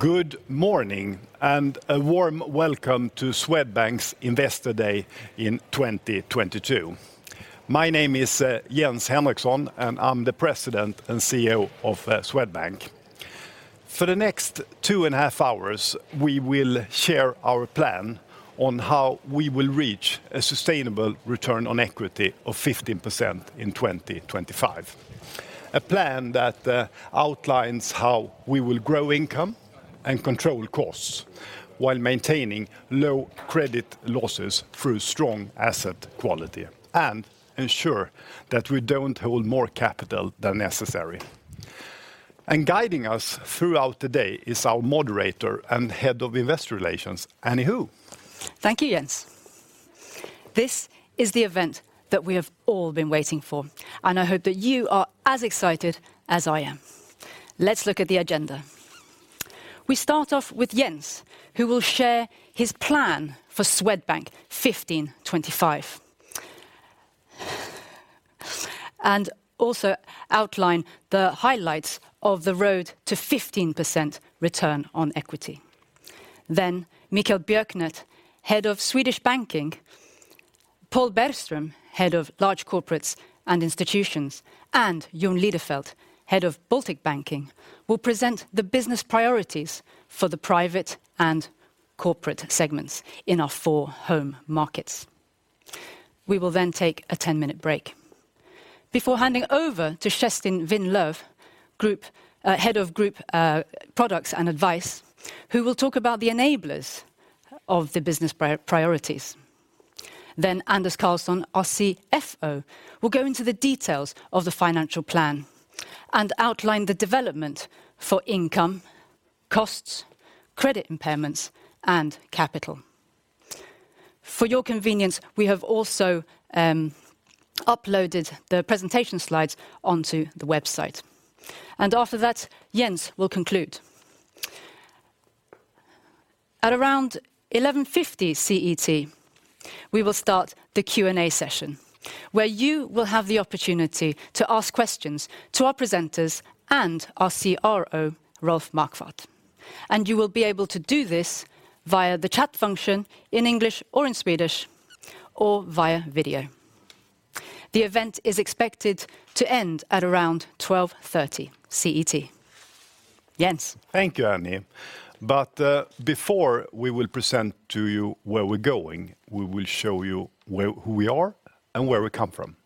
Good morning and a warm welcome to Swedbank's Investor Day in 2022. My name is Jens Henriksson, and I'm the President and CEO of Swedbank. For the next two and a half hours, we will share our plan on how we will reach a sustainable return on equity of 15% in 2025. A plan that outlines how we will grow income and control costs while maintaining low credit losses through strong asset quality and ensure that we don't hold more capital than necessary. Guiding us throughout the day is our moderator and Head of Investor Relations, Annie Ho. Thank you, Jens. This is the event that we have all been waiting for. I hope that you are as excited as I am. Let's look at the agenda. We start off with Jens, who will share his plan for Swedbank 15/25. Also outline the highlights of the road to 15% return on equity. Mikael Björknert, Head of Swedish Banking, Pål Bergström, Head of Large Corporates and Institutions, and Jon Lidefelt, Head of Baltic Banking, will present the business priorities for the private and corporate segments in our four home markets. We will then take a 10-minute break before handing over to Kerstin Winlöf, Head of Group Products and Advice, who will talk about the enablers of the business priorities. Anders Karlsson, our CFO, will go into the details of the financial plan and outline the development for income, costs, credit impairments, and capital. For your convenience, we have also uploaded the presentation slides onto the website. After that, Jens will conclude. At around 11:50 CET, we will start the Q&A session, where you will have the opportunity to ask questions to our presenters and our CRO, Rolf Marquardt. You will be able to do this via the chat function in English or in Swedish or via video. The event is expected to end at around 12:30 CET. Jens. Thank you, Annie. Before we will present to you where we're going, we will show you who we are and where we come from.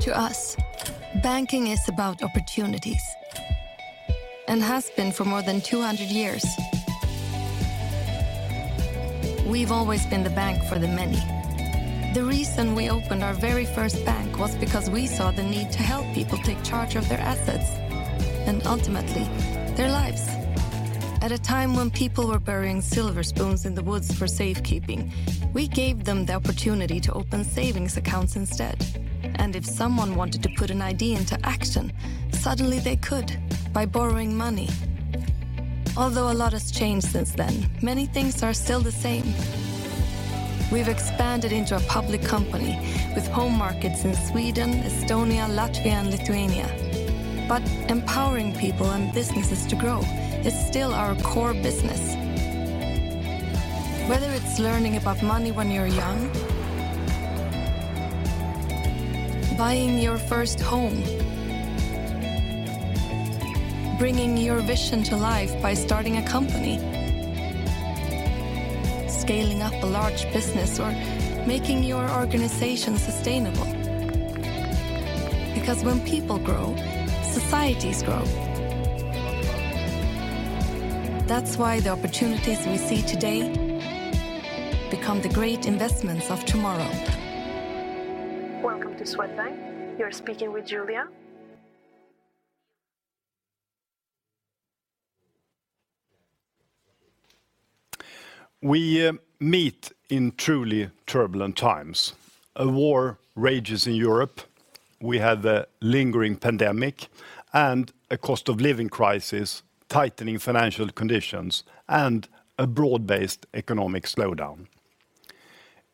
To us, banking is about opportunities and has been for more than 200 years. We've always been the bank for the many. The reason we opened our very first bank was because we saw the need to help people take charge of their assets and ultimately their lives. At a time when people were burying silver spoons in the woods for safekeeping, we gave them the opportunity to open savings accounts instead. If someone wanted to put an idea into action, suddenly they could by borrowing money. Although a lot has changed since then, many things are still the same. We've expanded into a public company with home markets in Sweden, Estonia, Latvia, and Lithuania, empowering people and businesses to grow is still our core business. Whether it's learning about money when you're young, buying your first home, bringing your vision to life by starting a company, scaling up a large business, or making your organization sustainable. When people grow, societies grow. The opportunities we see today become the great investments of tomorrow. Welcome to Swedbank. You're speaking with Julia. We meet in truly turbulent times. A war rages in Europe. We have a lingering pandemic and a cost of living crisis, tightening financial conditions, and a broad-based economic slowdown.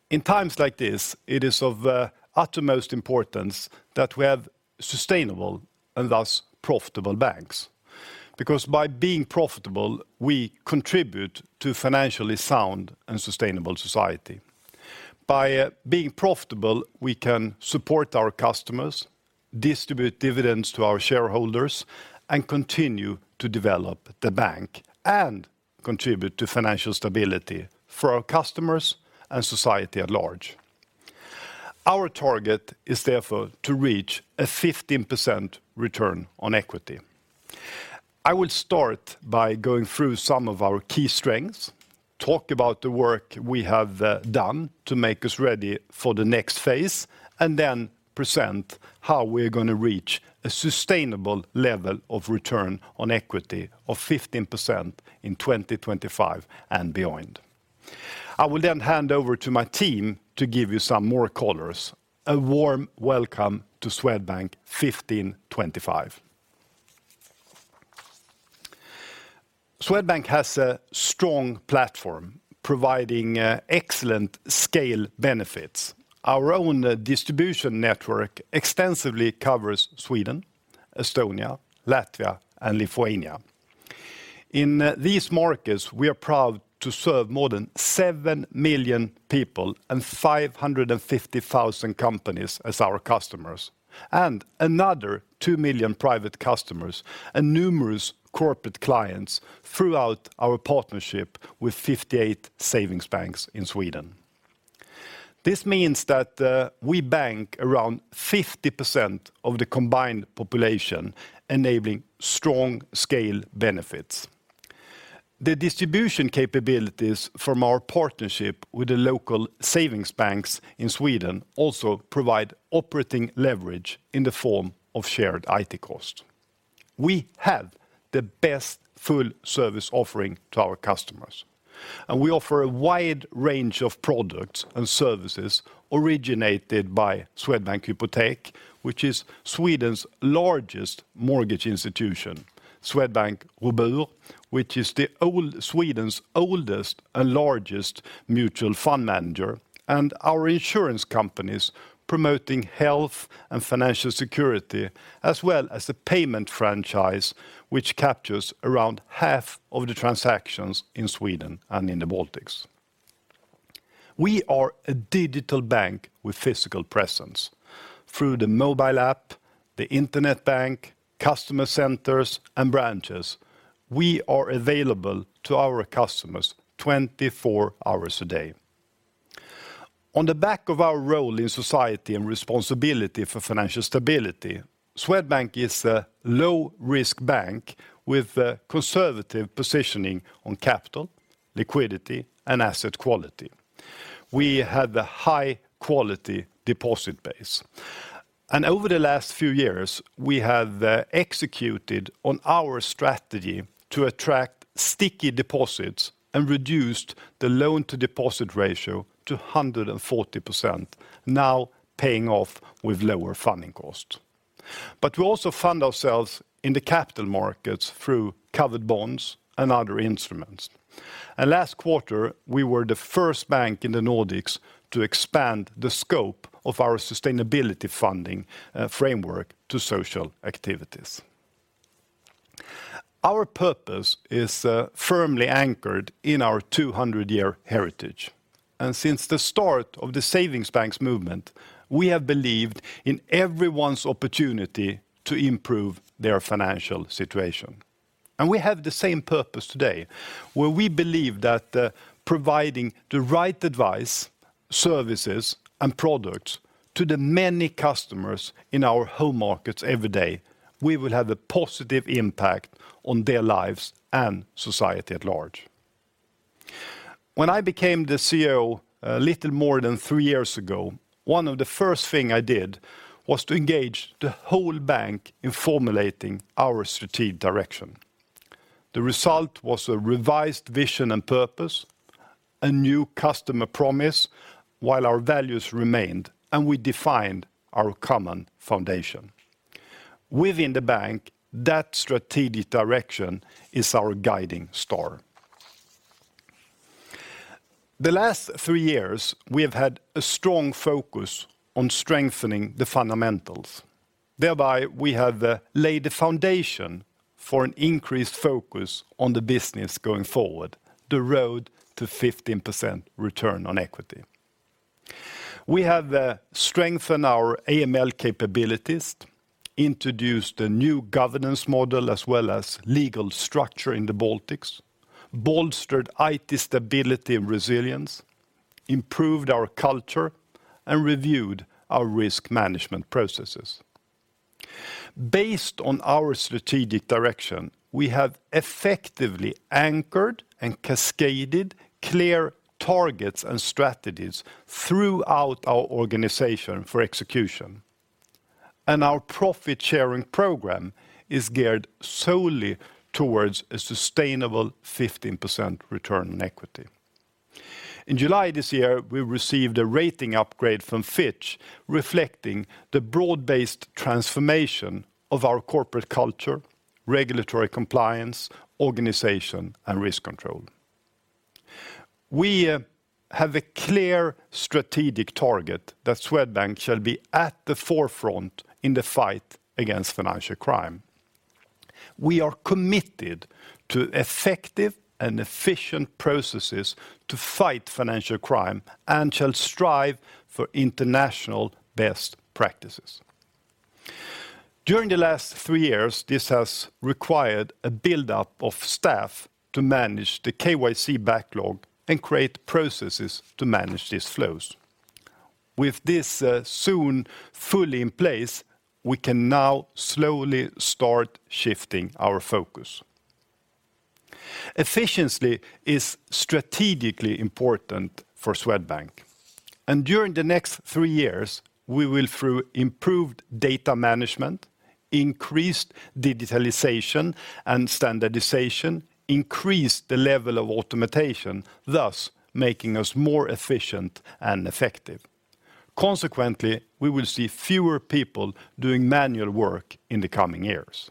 In times like this, it is of utmost importance that we have sustainable and thus profitable banks because by being profitable, we contribute to financially sound and sustainable society. By being profitable, we can support our customers, distribute dividends to our shareholders, and continue to develop the bank and contribute to financial stability for our customers and society at large. Our target is therefore to reach a 15% return on equity. I will start by going through some of our key strengths, talk about the work we have done to make us ready for the next phase, and then present how we're gonna reach a sustainable level of return on equity of 15% in 2025 and beyond. I will then hand over to my team to give you some more colors. A warm welcome to Swedbank 15/25. Swedbank has a strong platform providing excellent scale benefits. Our own distribution network extensively covers Sweden, Estonia, Latvia, and Lithuania. In these markets, we are proud to serve more than 7 million people and 550,000 companies as our customers, and another 2 million private customers and numerous corporate clients throughout our partnership with 58 savings banks in Sweden. This means that we bank around 50% of the combined population, enabling strong scale benefits. The distribution capabilities from our partnership with the local savings banks in Sweden also provide operating leverage in the form of shared IT cost. We have the best full service offering to our customers, and we offer a wide range of products and services originated by Swedbank Hypotek, which is Sweden's largest mortgage institution, Swedbank Robur, which is Sweden's oldest and largest mutual fund manager, and our insurance companies promoting health and financial security as well as the payment franchise which captures around half of the transactions in Sweden and in the Baltics. We are a digital bank with physical presence. Through the mobile app, the internet bank, customer centers, and branches, we are available to our customers 24 hours a day. On the back of our role in society and responsibility for financial stability, Swedbank is a low-risk bank with a conservative positioning on capital, liquidity, and asset quality. We have a high-quality deposit base. Over the last few years, we have executed on our strategy to attract sticky deposits and reduced the loan-to-deposit ratio to 140%, now paying off with lower funding costs. We also fund ourselves in the capital markets through covered bonds and other instruments. Last quarter, we were the first bank in the Nordics to expand the scope of our sustainability funding framework to social activities. Our purpose is firmly anchored in our 200 year heritage. Since the start of the savings banks movement, we have believed in everyone's opportunity to improve their financial situation. We have the same purpose today, where we believe that, providing the right advice, services, and products to the many customers in our home markets every day, we will have a positive impact on their lives and society at large. When I became the CEO a little more than three years ago, one of the first thing I did was to engage the whole bank in formulating our strategic direction. The result was a revised vision and purpose, a new customer promise, while our values remained, and we defined our common foundation. Within the bank, that strategic direction is our guiding star. The last three years, we have had a strong focus on strengthening the fundamentals. Thereby, we have laid the foundation for an increased focus on the business going forward, the road to 15% return on equity. We have strengthened our AML capabilities, introduced a new governance model as well as legal structure in the Baltics, bolstered IT stability and resilience, improved our culture, and reviewed our risk management processes. Based on our strategic direction, we have effectively anchored and cascaded clear targets and strategies throughout our organization for execution, and our profit-sharing program is geared solely towards a sustainable 15% return on equity. In July this year, we received a rating upgrade from Fitch reflecting the broad-based transformation of our corporate culture, regulatory compliance, organization, and risk control. We have a clear strategic target that Swedbank shall be at the forefront in the fight against financial crime. We are committed to effective and efficient processes to fight financial crime and shall strive for international best practices. During the last three years, this has required a buildup of staff to manage the KYC backlog and create processes to manage these flows. With this soon fully in place, we can now slowly start shifting our focus. Efficiency is strategically important for Swedbank. During the next three years, we will through improved data management, increased digitalization and standardization, increase the level of automation, thus making us more efficient and effective. Consequently, we will see fewer people doing manual work in the coming years.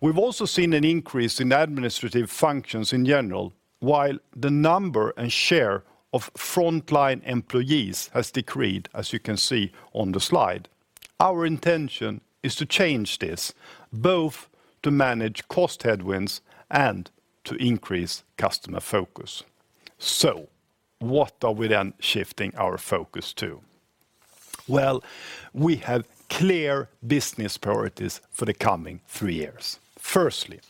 We've also seen an increase in administrative functions in general, while the number and share of frontline employees has decreased, as you can see on the slide. Our intention is to change this, both to manage cost headwinds and to increase customer focus. What are we then shifting our focus to? Well, we have clear business priorities for the coming three years. Firstly,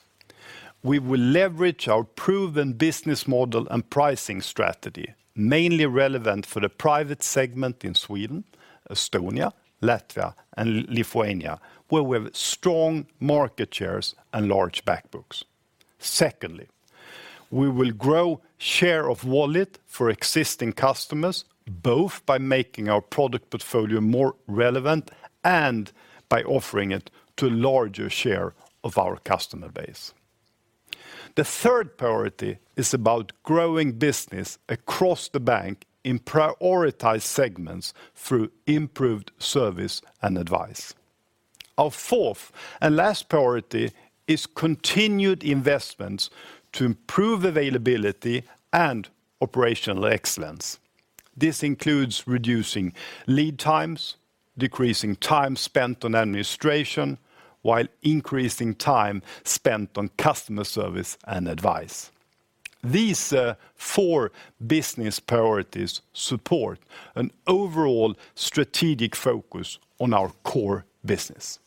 we will leverage our proven business model and pricing strategy, mainly relevant for the private segment in Sweden, Estonia, Latvia, and Lithuania, where we have strong market shares and large back books. Secondly, we will grow share of wallet for existing customers, both by making our product portfolio more relevant and by offering it to larger share of our customer base. The third priority is about growing business across the bank in prioritized segments through improved service and advice. Our fourth and last priority is continued investments to improve availability and operational excellence. This includes reducing lead times, decreasing time spent on administration, while increasing time spent on customer service and advice. These four business priorities support an overall strategic focus on our core business.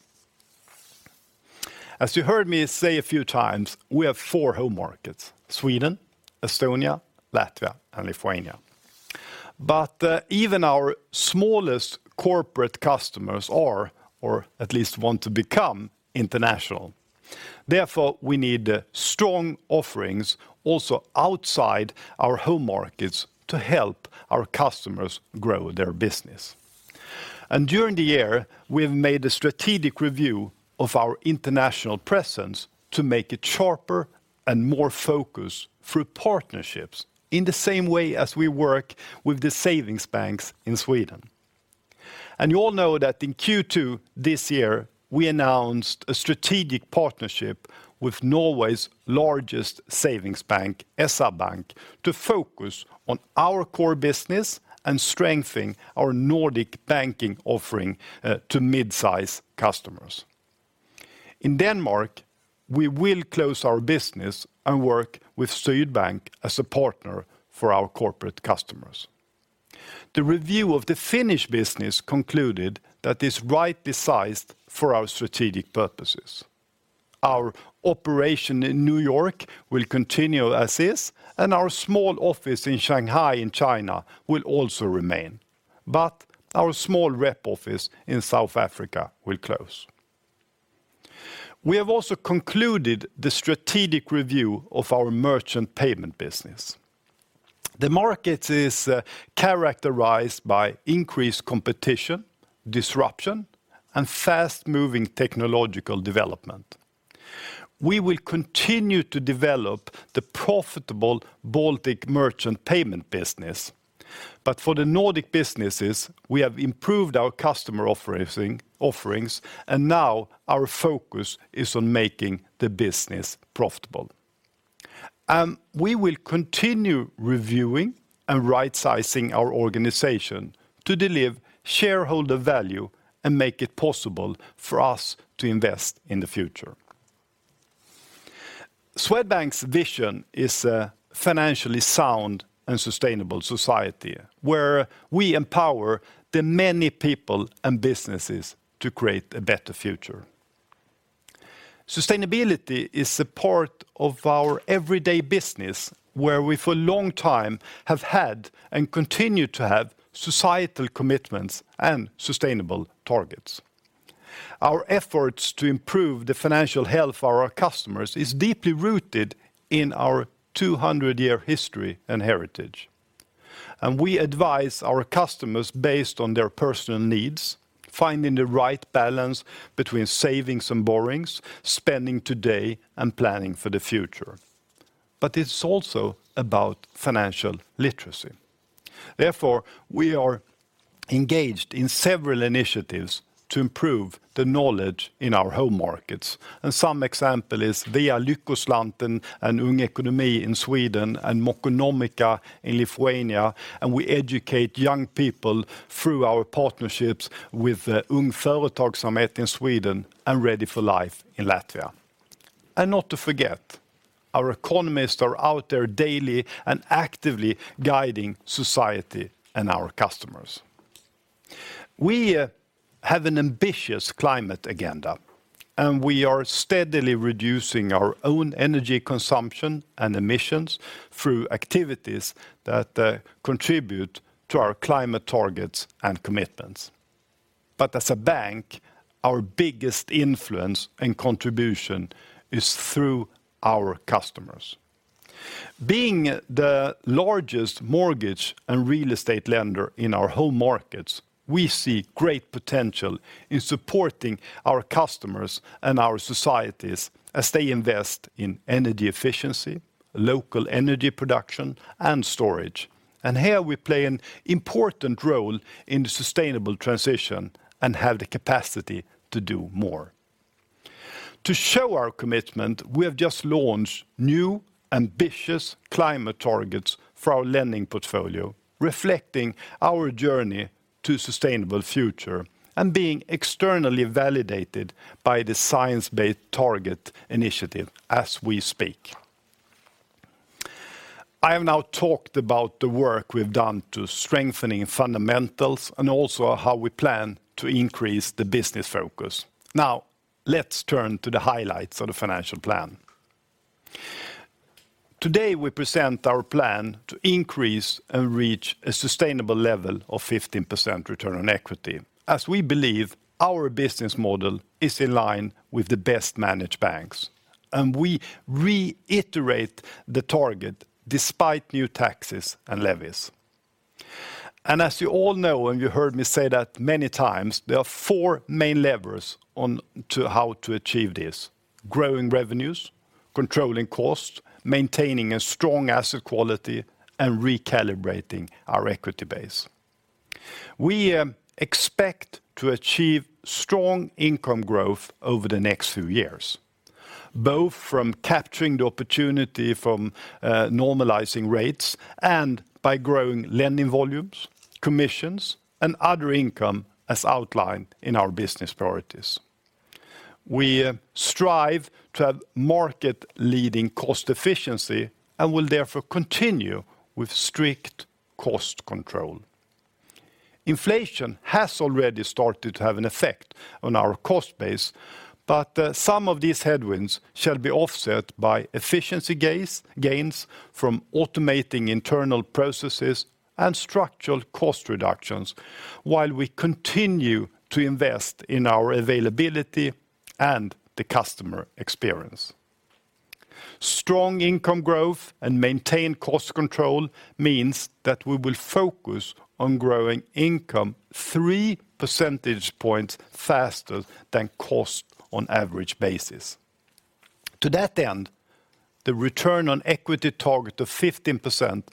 As you heard me say a few times, we have four home markets, Sweden, Estonia, Latvia, and Lithuania. Even our smallest corporate customers are or at least want to become international. Therefore, we need strong offerings also outside our home markets to help our customers grow their business. During the year, we have made a strategic review of our international presence to make it sharper and more focused through partnerships in the same way as we work with the savings banks in Sweden. You all know that in Q2 this year, we announced a strategic partnership with Norway's largest savings bank, SpareBank 1 SR-Bank, to focus on our core business and strengthen our Nordic banking offering to mid-size customers. In Denmark, we will close our business and work with Sydbank as a partner for our corporate customers. The review of the Finnish business concluded that it's right decided for our strategic purposes. Our operation in New York will continue as is. Our small office in Shanghai in China will also remain. Our small rep office in South Africa will close. We have also concluded the strategic review of our merchant payment business. The market is characterized by increased competition, disruption, and fast-moving technological development. We will continue to develop the profitable Baltic merchant payment business. For the Nordic businesses, we have improved our customer offerings, and now our focus is on making the business profitable. We will continue reviewing and right sizing our organization to deliver shareholder value and make it possible for us to invest in the future. Swedbank's vision is a financially sound and sustainable society where we empower the many people and businesses to create a better future. Sustainability is a part of our everyday business where we, for a long time, have had and continue to have societal commitments and sustainable targets. Our efforts to improve the financial health of our customers is deeply rooted in our 200-year history and heritage. We advise our customers based on their personal needs, finding the right balance between savings and borrowings, spending today and planning for the future. It's also about financial literacy. Therefore, we are engaged in several initiatives to improve the knowledge in our home markets. Some example is via Lyckoslanten and Ung Ekonomi in Sweden and Mokonomikos in Lithuania. We educate young people through our partnerships with Ung Företagsamhet in Sweden and Ready for Life in Latvia. Not to forget, our economists are out there daily and actively guiding society and our customers. We have an ambitious climate agenda, and we are steadily reducing our own energy consumption and emissions through activities that contribute to our climate targets and commitments. As a bank, our biggest influence and contribution is through our customers. Being the largest mortgage and real estate lender in our home markets. We see great potential in supporting our customers and our societies as they invest in energy efficiency, local energy production, and storage. Here we play an important role in the sustainable transition and have the capacity to do more. To show our commitment, we have just launched new ambitious climate targets for our lending portfolio, reflecting our journey to sustainable future and being externally validated by the Science Based Targets initiative as we speak. I have now talked about the work we've done to strengthening fundamentals and also how we plan to increase the business focus. Let's turn to the highlights of the financial plan. Today, we present our plan to increase and reach a sustainable level of 15% return on equity, as we believe our business model is in line with the best managed banks. We reiterate the target despite new taxes and levies. As you all know, you heard me say that many times, there are four main levers on to how to achieve this. Growing revenues, controlling costs, maintaining a strong asset quality, and recalibrating our equity base. We expect to achieve strong income growth over the next few years, both from capturing the opportunity from normalizing rates and by growing lending volumes, commissions, and other income as outlined in our business priorities. We strive to have market-leading cost efficiency and will therefore continue with strict cost control. Inflation has already started to have an effect on our cost base. Some of these headwinds shall be offset by efficiency gains from automating internal processes and structural cost reductions while we continue to invest in our availability and the customer experience. Strong income growth and maintained cost control means that we will focus on growing income 3 percentage points faster than cost on average basis. To that end, the return on equity target of 15%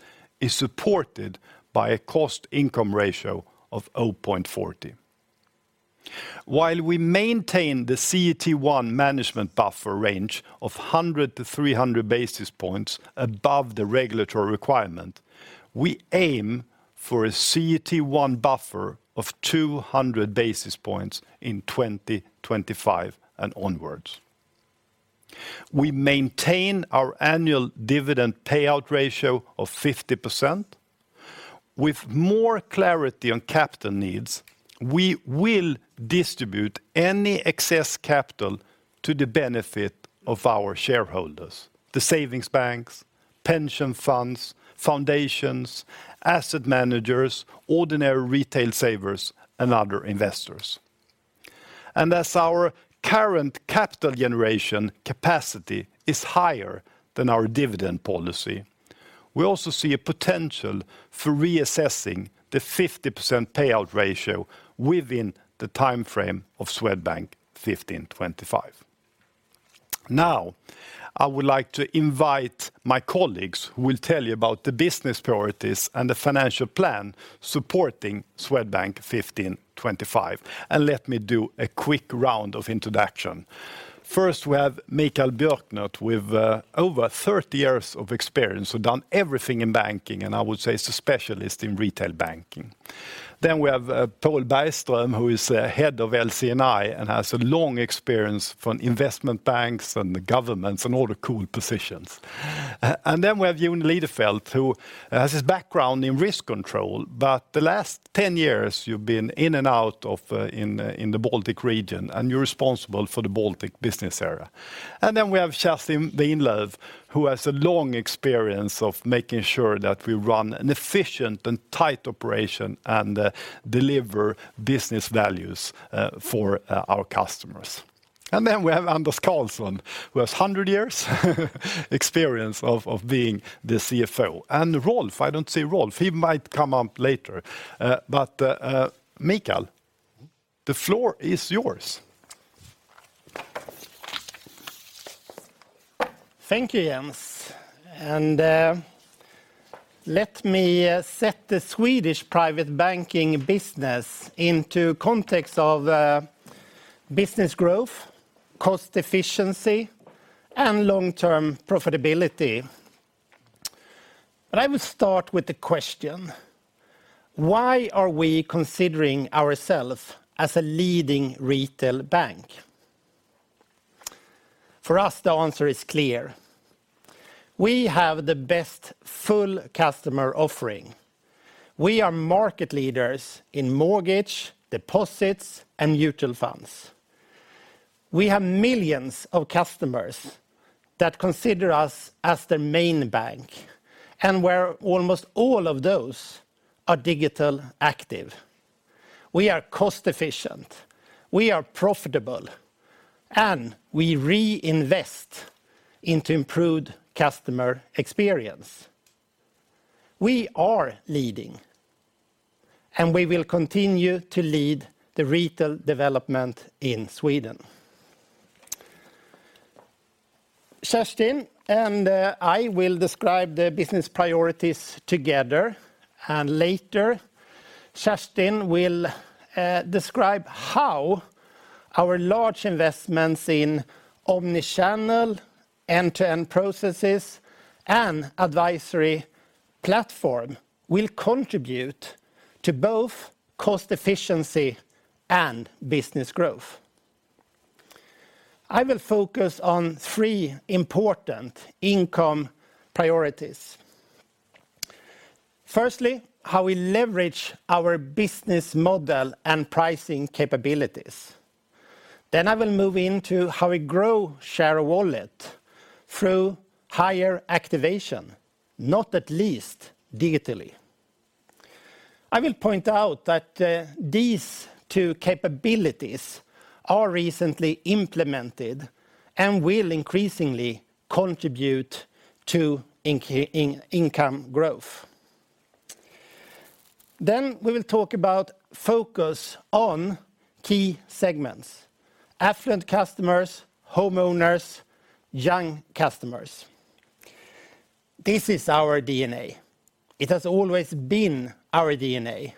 is supported by a cost-to-income ratio of 0.40. While we maintain the CET1 management buffer range of 100 to 300 basis points above the regulatory requirement, we aim for a CET1 buffer of 200 basis points in 2025 and onwards. We maintain our annual dividend payout ratio of 50%. With more clarity on capital needs, we will distribute any excess capital to the benefit of our shareholders, the savings banks, pension funds, foundations, asset managers, ordinary retail savers, and other investors. As our current capital generation capacity is higher than our dividend policy, we also see a potential for reassessing the 50% payout ratio within the timeframe of Swedbank 15/25. I would like to invite my colleagues who will tell you about the business priorities and the financial plan supporting Swedbank 15/25. Let me do a quick round of introduction. First, we have Mikael Björknert with over 30 years of experience. Done everything in banking, and I would say he's a specialist in retail banking. We have Pål Bergström, who is Head of LC&I and has a long experience from investment banks and the governments and all the cool positions. We have Jon Lidefelt, who has his background in risk control. The last 10 years, you've been in and out of in the Baltic region, and you're responsible for the Baltic business area. We have Kerstin, who has a long experience of making sure that we run an efficient and tight operation and deliver business values for our customers. We have Anders Karlsson, who has 100 years experience of being the CFO. Rolf, I don't see Rolf. He might come up later. Mikael, the floor is yours. Thank you, Jens. Let me set the Swedish private banking business into context of business growth, cost efficiency, and long-term profitability. I will start with the question, why are we considering ourselves as a leading retail bank? For us, the answer is clear. We have the best full customer offering. We are market leaders in mortgage, deposits, and mutual funds. We have millions of customers that consider us as their main bank and where almost all of those are digital active. We are cost efficient, we are profitable. We reinvest into improved customer experience. We are leading, and we will continue to lead the retail development in Sweden. Kerstin and I will describe the business priorities together. Later Kerstin will describe how our large investments in omnichannel, end-to-end processes, and advisory platform will contribute to both cost efficiency and business growth. I will focus on three important income priorities. Firstly, how we leverage our business model and pricing capabilities. Then I will move into how we grow share of wallet through higher activation, not at least digitally. I will point out that these two capabilities are recently implemented and will increasingly contribute to income growth. Then we will talk about focus on key segments, affluent customers, homeowners, young customers. This is our DNA. It has always been our DNA.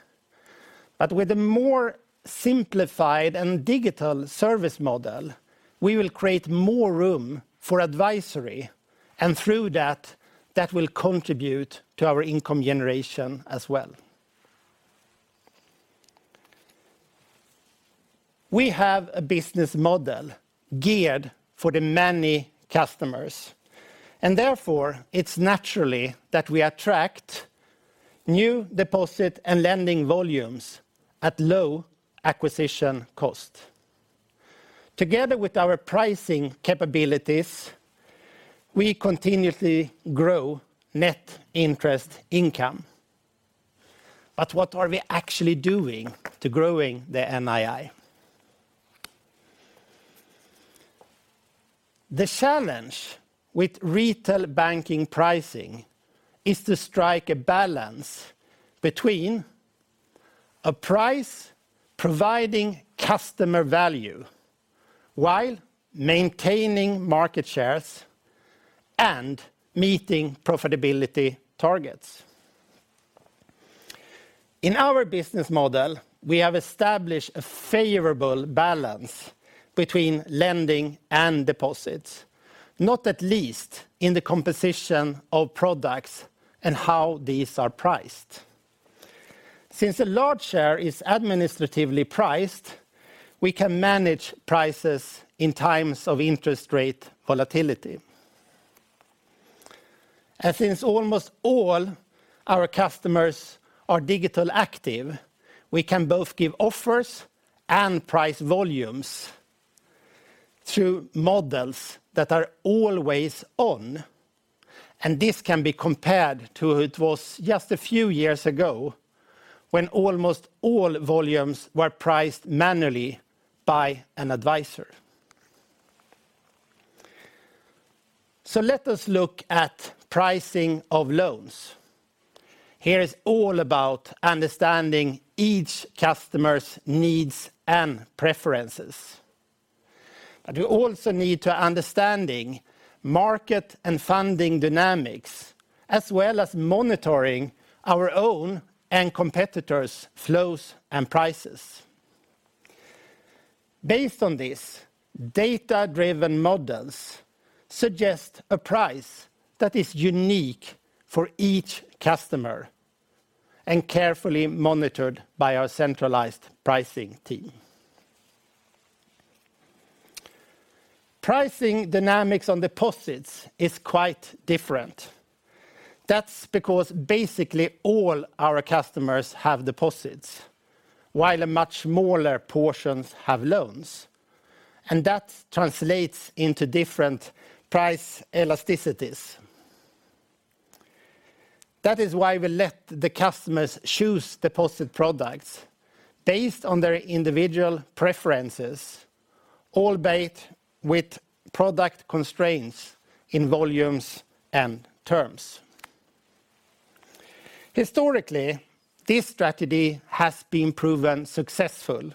But with a more simplified and digital service model, we will create more room for advisory, and through that will contribute to our income generation as well. We have a business model geared for the many customers, and therefore it's naturally that we attract new deposit and lending volumes at low acquisition cost. Together with our pricing capabilities, we continuously grow net interest income. What are we actually doing to growing the NII? The challenge with retail banking pricing is to strike a balance between a price providing customer value while maintaining market shares and meeting profitability targets. In our business model, we have established a favorable balance between lending and deposits, not at least in the composition of products and how these are priced. Since a large share is administratively priced, we can manage prices in times of interest rate volatility. Since almost all our customers are digital active, we can both give offers and price volumes through models that are always on, and this can be compared to it was just a few years ago when almost all volumes were priced manually by an advisor. Let us look at pricing of loans. Here is all about understanding each customer's needs and preferences. We also need to understanding market and funding dynamics, as well as monitoring our own and competitors' flows and prices. Based on this, data-driven models suggest a price that is unique for each customer and carefully monitored by our centralized pricing team. Pricing dynamics on deposits is quite different. That's because basically all our customers have deposits, while a much smaller portions have loans, and that translates into different price elasticities. That is why we let the customers choose deposit products based on their individual preferences, albeit with product constraints in volumes and terms. Historically, this strategy has been proven successful,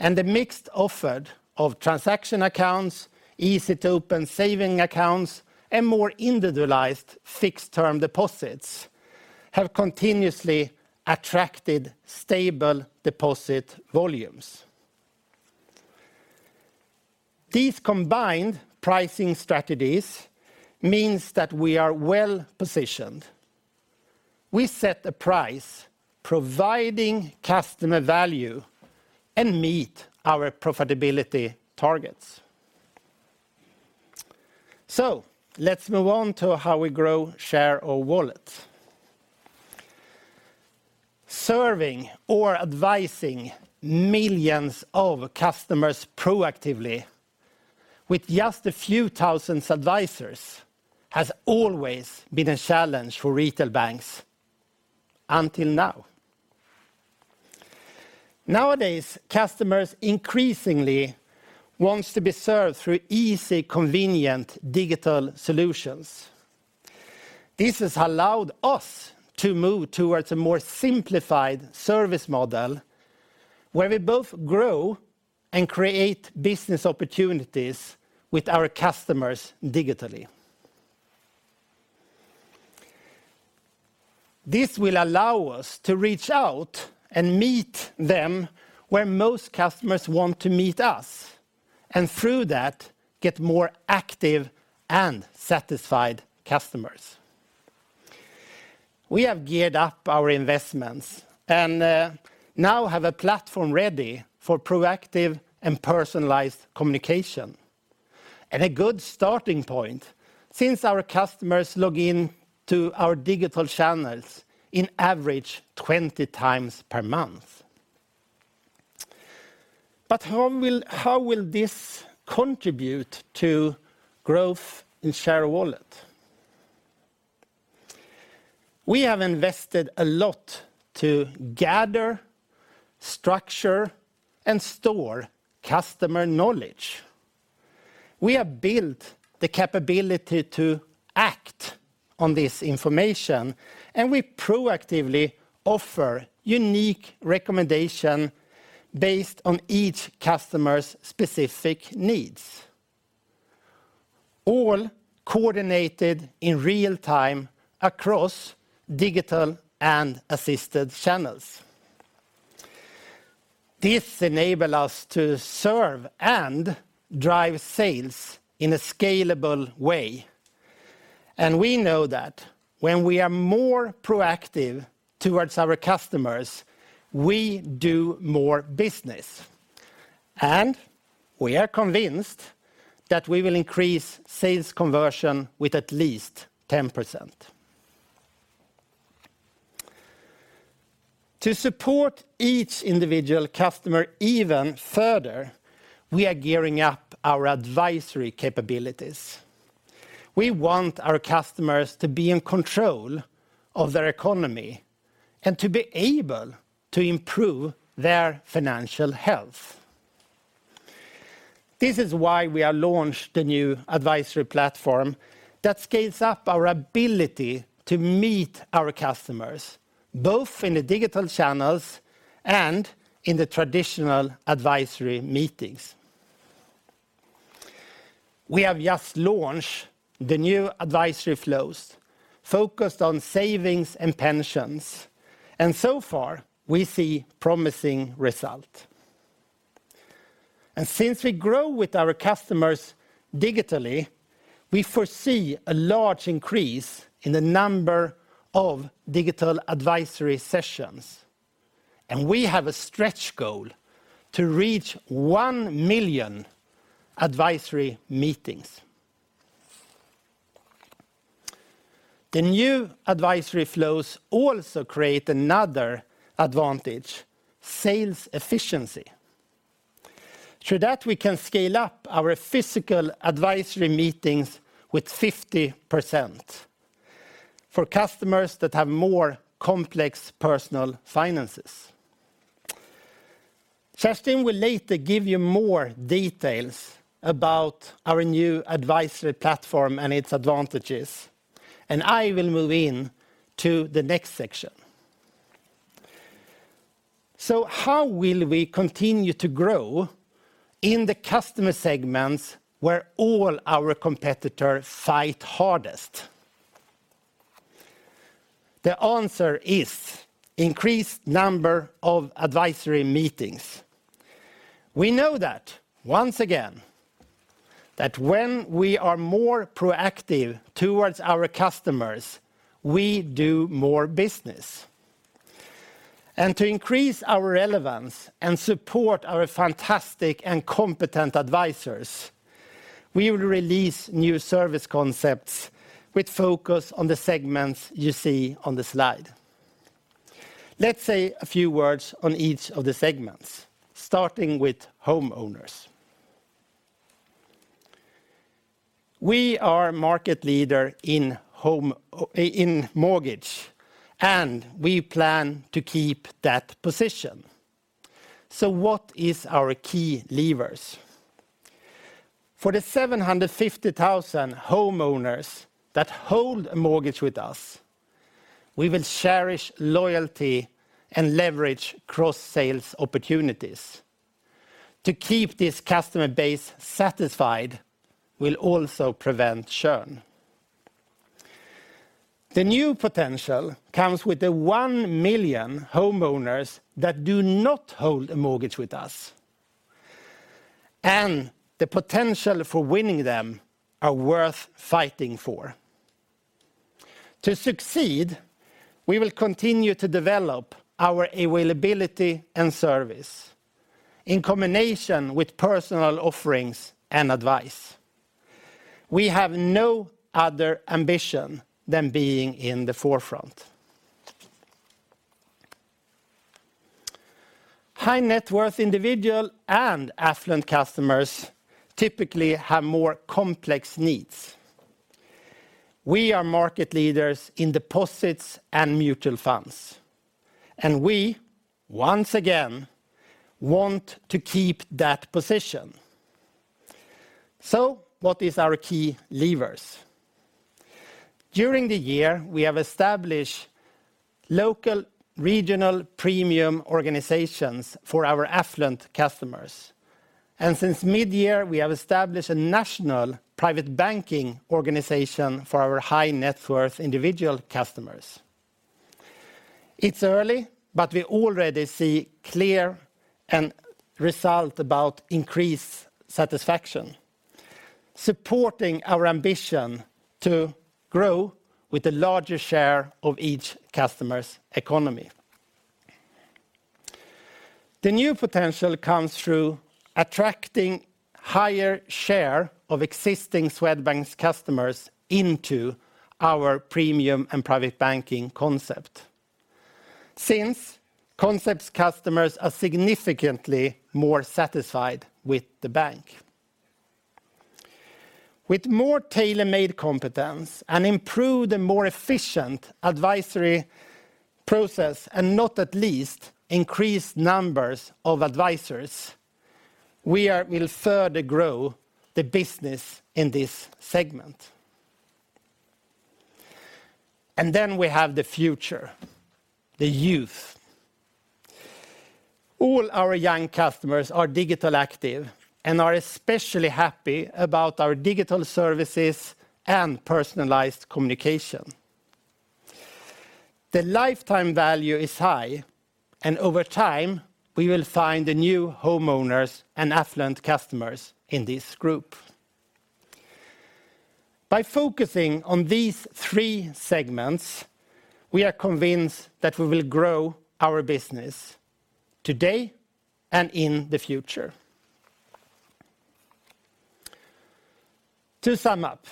and the mixed offered of transaction accounts, easy-to-open saving accounts, and more individualized fixed-term deposits have continuously attracted stable deposit volumes. These combined pricing strategies means that we are well-positioned. We set a price providing customer value and meet our profitability targets. Let's move on to how we grow share of wallet. Serving or advising millions of customers proactively with just a few thousand advisors has always been a challenge for retail banks until now. Nowadays, customers increasingly wants to be served through easy, convenient digital solutions. This has allowed us to move towards a more simplified service model where we both grow and create business opportunities with our customers digitally. This will allow us to reach out and meet them where most customers want to meet us, and through that, get more active and satisfied customers. We have geared up our investments and now have a platform ready for proactive and personalized communication. A good starting point since our customers log in to our digital channels in average 20 times per month. How will this contribute to growth in share wallet? We have invested a lot to gather, structure, and store customer knowledge. We have built the capability to act on this information. We proactively offer unique recommendation based on each customer's specific needs, all coordinated in real time across digital and assisted channels. This enable us to serve and drive sales in a scalable way. We know that when we are more proactive towards our customers, we do more business. We are convinced that we will increase sales conversion with at least 10%. To support each individual customer even further, we are gearing up our advisory capabilities. We want our customers to be in control of their economy and to be able to improve their financial health. This is why we have launched the new advisory platform that scales up our ability to meet our customers, both in the digital channels and in the traditional advisory meetings. We have just launched the new advisory flows focused on savings and pensions, and so far, we see promising result. Since we grow with our customers digitally, we foresee a large increase in the number of digital advisory sessions, and we have a stretch goal to reach 1 million advisory meetings. The new advisory flows also create another advantage, sales efficiency. Through that, we can scale up our physical advisory meetings with 50% for customers that have more complex personal finances. Justin will later give you more details about our new advisory platform and its advantages, and I will move in to the next section. How will we continue to grow in the customer segments where all our competitors fight hardest? The answer is increased number of advisory meetings. We know that once again, that when we are more proactive towards our customers, we do more business. To increase our relevance and support our fantastic and competent advisors, we will release new service concepts with focus on the segments you see on the slide. Let's say a few words on each of the segments, starting with homeowners. We are market leader in mortgage, and we plan to keep that position. What is our key levers? For the 750,000 homeowners that hold a mortgage with us, we will cherish loyalty and leverage cross-sales opportunities. To keep this customer base satisfied will also prevent churn. The new potential comes with the 1 million homeowners that do not hold a mortgage with us. The potential for winning them are worth fighting for. To succeed, we will continue to develop our availability and service in combination with personal offerings and advice. We have no other ambition than being in the forefront. High net worth individual and affluent customers typically have more complex needs. We are market leaders in deposits and mutual funds, we, once again, want to keep that position. What is our key levers? During the year, we have established local regional premium organizations for our affluent customers. Since mid-year, we have established a national private banking organization for our High net worth individual customers. It's early, but we already see clear and result about increased satisfaction, supporting our ambition to grow with a larger share of each customer's economy. The new potential comes through attracting higher share of existing Swedbank's customers into our premium and private banking concept. Since concept customers are significantly more satisfied with the bank. With more tailor-made competence and improved and more efficient advisory process, and not at least increased numbers of advisors, we'll further grow the business in this segment. Then we have the future, the youth. All our young customers are digital active and are especially happy about our digital services and personalized communication. The lifetime value is high, and over time, we will find the new homeowners and affluent customers in this group. By focusing on these three segments, we are convinced that we will grow our business today and in the future. To sum up,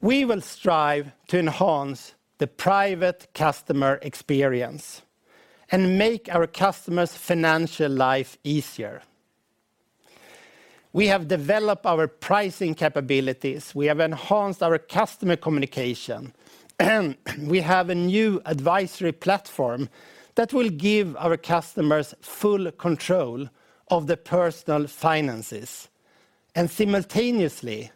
we will strive to enhance the private customer experience and make our customers' financial life easier. We have developed our pricing capabilities, we have enhanced our customer communication, we have a new advisory platform that will give our customers full control of their personal finances and simultaneously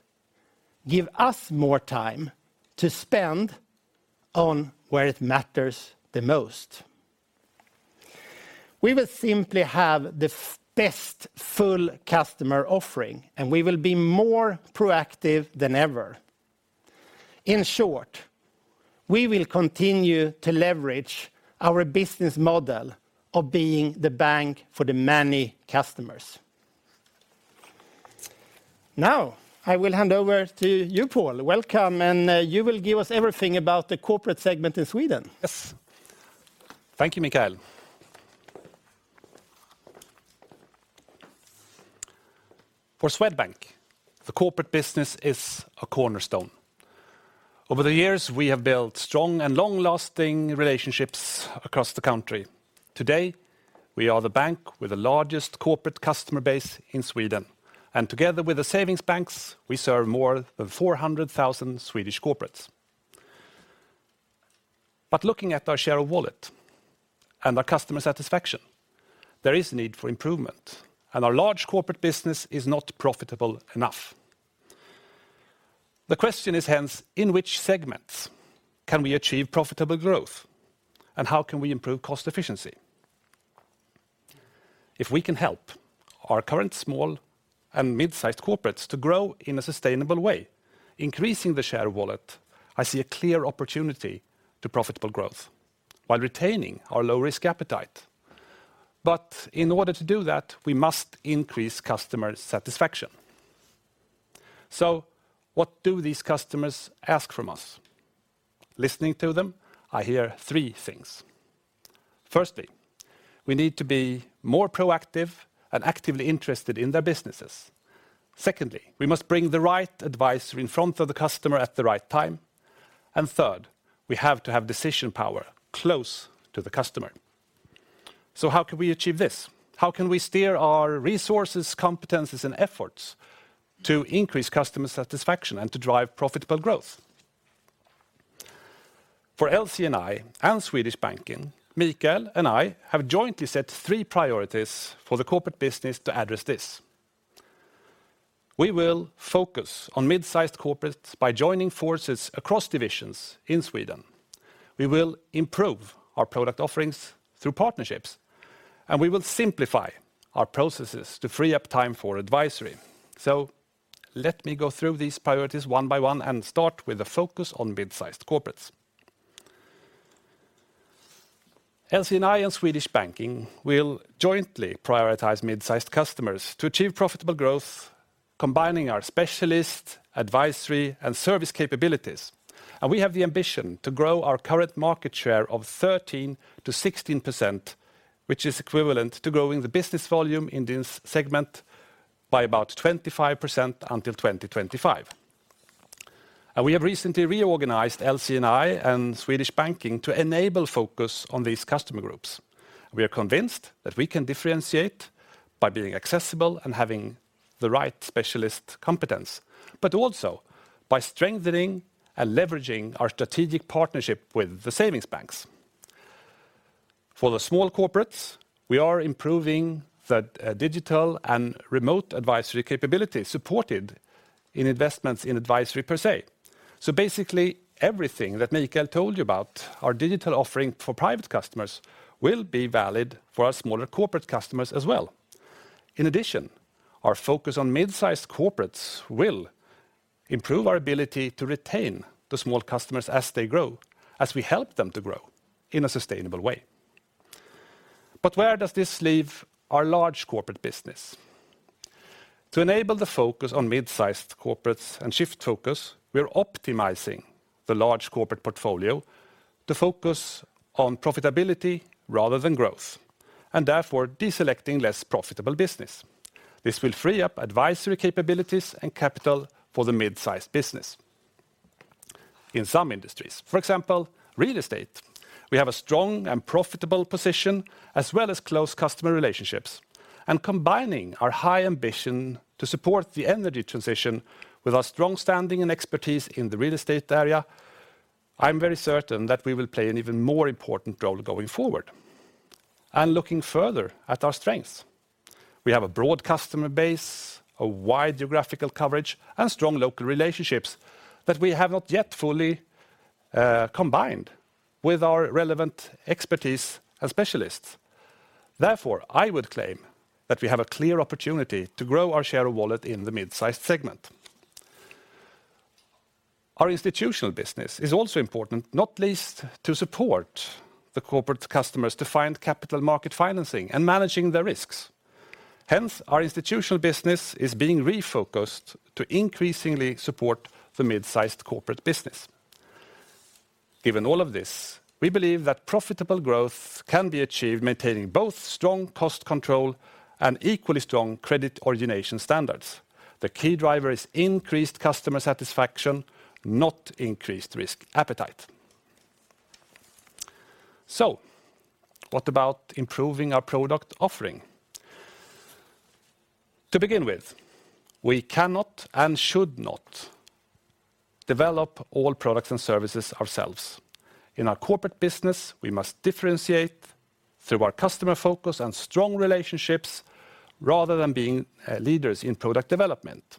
give us more time to spend on where it matters the most. We will simply have the best full customer offering, we will be more proactive than ever. In short, we will continue to leverage our business model of being the bank for the many customers. Now, I will hand over to you, Pål. Welcome, you will give us everything about the corporate segment in Sweden. Yes. Thank you, Mikael. For Swedbank, the corporate business is a cornerstone. Over the years, we have built strong and long-lasting relationships across the country. Today, we are the bank with the largest corporate customer base in Sweden, and together with the savings banks, we serve more than 400,000 Swedish corporates. Looking at our share of wallet and our customer satisfaction, there is need for improvement, and our large corporate business is not profitable enough. The question is, hence, in which segments can we achieve profitable growth, and how can we improve cost efficiency? If we can help our current small and mid-sized corporates to grow in a sustainable way, increasing the share wallet, I see a clear opportunity to profitable growth while retaining our low-risk appetite. In order to do that, we must increase customer satisfaction. What do these customers ask from us? Listening to them, I hear three things. Firstly, we need to be more proactive and actively interested in their businesses. Secondly, we must bring the right advisor in front of the customer at the right time. Third, we have to have decision power close to the customer. How can we achieve this? How can we steer our resources, competencies, and efforts to increase customer satisfaction and to drive profitable growth? For LC&I and Swedish banking, Mikael and I have jointly set three priorities for the corporate business to address this. We will focus on mid-sized corporates by joining forces across divisions in Sweden. We will improve our product offerings through partnerships, and we will simplify our processes to free up time for advisory. Let me go through these priorities one by one and start with the focus on mid-sized corporates. LC&I and Swedish Banking will jointly prioritize mid-sized customers to achieve profitable growth, combining our specialist, advisory, and service capabilities. We have the ambition to grow our current market share of 13%-16%, which is equivalent to growing the business volume in this segment by about 25% until 2025. We have recently reorganized LC&I and Swedish Banking to enable focus on these customer groups. We are convinced that we can differentiate by being accessible and having the right specialist competence, but also by strengthening and leveraging our strategic partnership with the savings banks. For the small corporates, we are improving the digital and remote advisory capability supported in investments in advisory per se. Basically everything that Mikael told you about our digital offering for private customers will be valid for our smaller corporate customers as well. In addition, our focus on mid-sized corporates will improve our ability to retain the small customers as they grow, as we help them to grow in a sustainable way. Where does this leave our large corporate business? To enable the focus on mid-sized corporates and shift focus, we're optimizing the large corporate portfolio to focus on profitability rather than growth, and therefore deselecting less profitable business. This will free up advisory capabilities and capital for the mid-sized business. In some industries, for example, real estate, we have a strong and profitable position as well as close customer relationships, and combining our high ambition to support the energy transition with our strong standing and expertise in the real estate area, I'm very certain that we will play an even more important role going forward. Looking further at our strengths, we have a broad customer base, a wide geographical coverage, and strong local relationships that we have not yet fully combined with our relevant expertise and specialists. Therefore, I would claim that we have a clear opportunity to grow our share of wallet in the mid-sized segment. Our institutional business is also important, not least to support the corporate customers to find capital market financing and managing the risks. Hence, our institutional business is being refocused to increasingly support the mid-sized corporate business. Given all of this, we believe that profitable growth can be achieved maintaining both strong cost control and equally strong credit origination standards. The key driver is increased customer satisfaction, not increased risk appetite. What about improving our product offering? To begin with, we cannot and should not develop all products and services ourselves. In our corporate business, we must differentiate through our customer focus and strong relationships rather than being leaders in product development.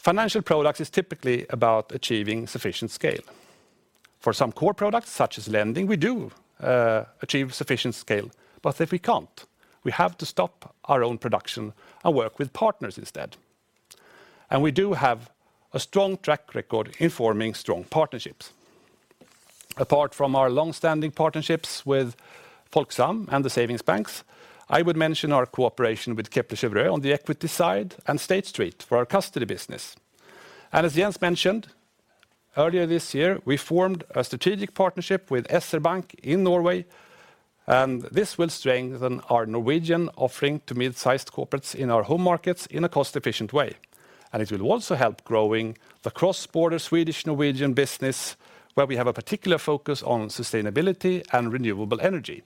Financial products is typically about achieving sufficient scale. For some core products, such as lending, we do achieve sufficient scale, but if we can't, we have to stop our own production and work with partners instead. We do have a strong track record in forming strong partnerships. Apart from our long-standing partnerships with Folksam and the savings banks, I would mention our cooperation with Kepler Cheuvreux on the equity side and State Street for our custody business. As Jens mentioned, earlier this year, we formed a strategic partnership with SR Bank in Norway, and this will strengthen our Norwegian offering to mid-sized corporates in our home markets in a cost-efficient way. It will also help growing the cross-border Swedish-Norwegian business where we have a particular focus on sustainability and renewable energy.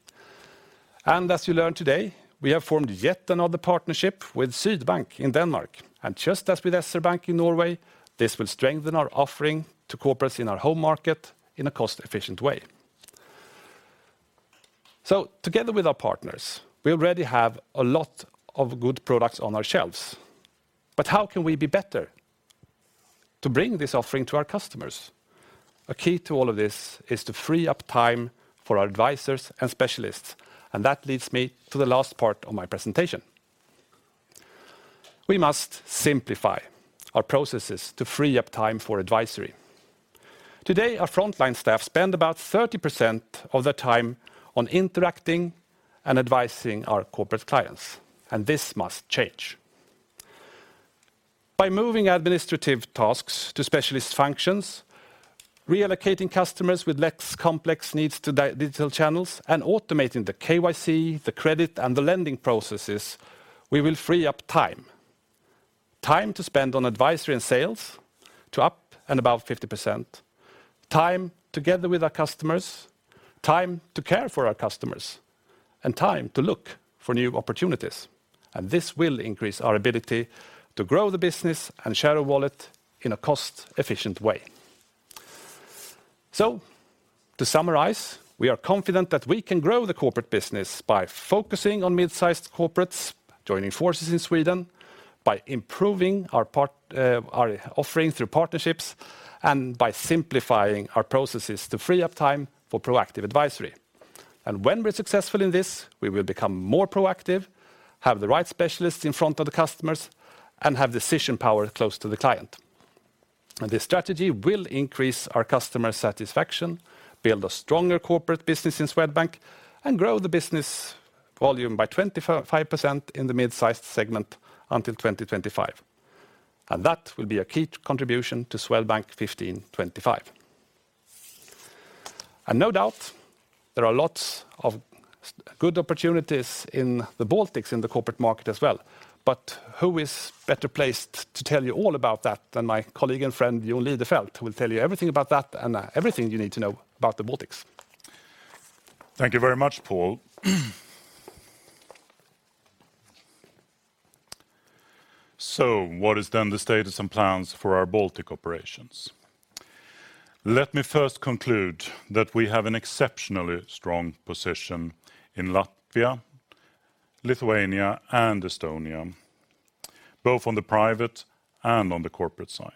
As you learned today, we have formed yet another partnership with Sydbank in Denmark. Just as with SR Bank in Norway, this will strengthen our offering to corporates in our home market in a cost-efficient way. Together with our partners, we already have a lot of good products on our shelves. How can we be better to bring this offering to our customers? A key to all of this is to free up time for our advisors and specialists, and that leads me to the last part of my presentation. We must simplify our processes to free up time for advisory. Today, our frontline staff spend about 30% of their time on interacting and advising our corporate clients, and this must change. By moving administrative tasks to specialist functions, reallocating customers with less complex needs to digital channels, and automating the KYC, the credit, and the lending processes, we will free up time to spend on advisory and sales to up and above 50%, time together with our customers, time to care for our customers, and time to look for new opportunities. This will increase our ability to grow the business and share our wallet in a cost-efficient way. To summarize, we are confident that we can grow the corporate business by focusing on mid-sized corporates, joining forces in Sweden, by improving our offerings through partnerships, and by simplifying our processes to free up time for proactive advisory. When we're successful in this, we will become more proactive, have the right specialists in front of the customers, and have decision power close to the client. This strategy will increase our customer satisfaction, build a stronger corporate business in Swedbank, and grow the business volume by 25% in the mid-sized segment until 2025. That will be a key contribution to Swedbank 15/25. No doubt there are lots of good opportunities in the Baltics in the corporate market as well. Who is better placed to tell you all about that than my colleague and friend, Jon Lidefelt, who will tell you everything about that and everything you need to know about the Baltics. Thank you very much, Pål. What is then the status and plans for our Baltic operations? Let me first conclude that we have an exceptionally strong position in Latvia, Lithuania, and Estonia, both on the private and on the corporate side,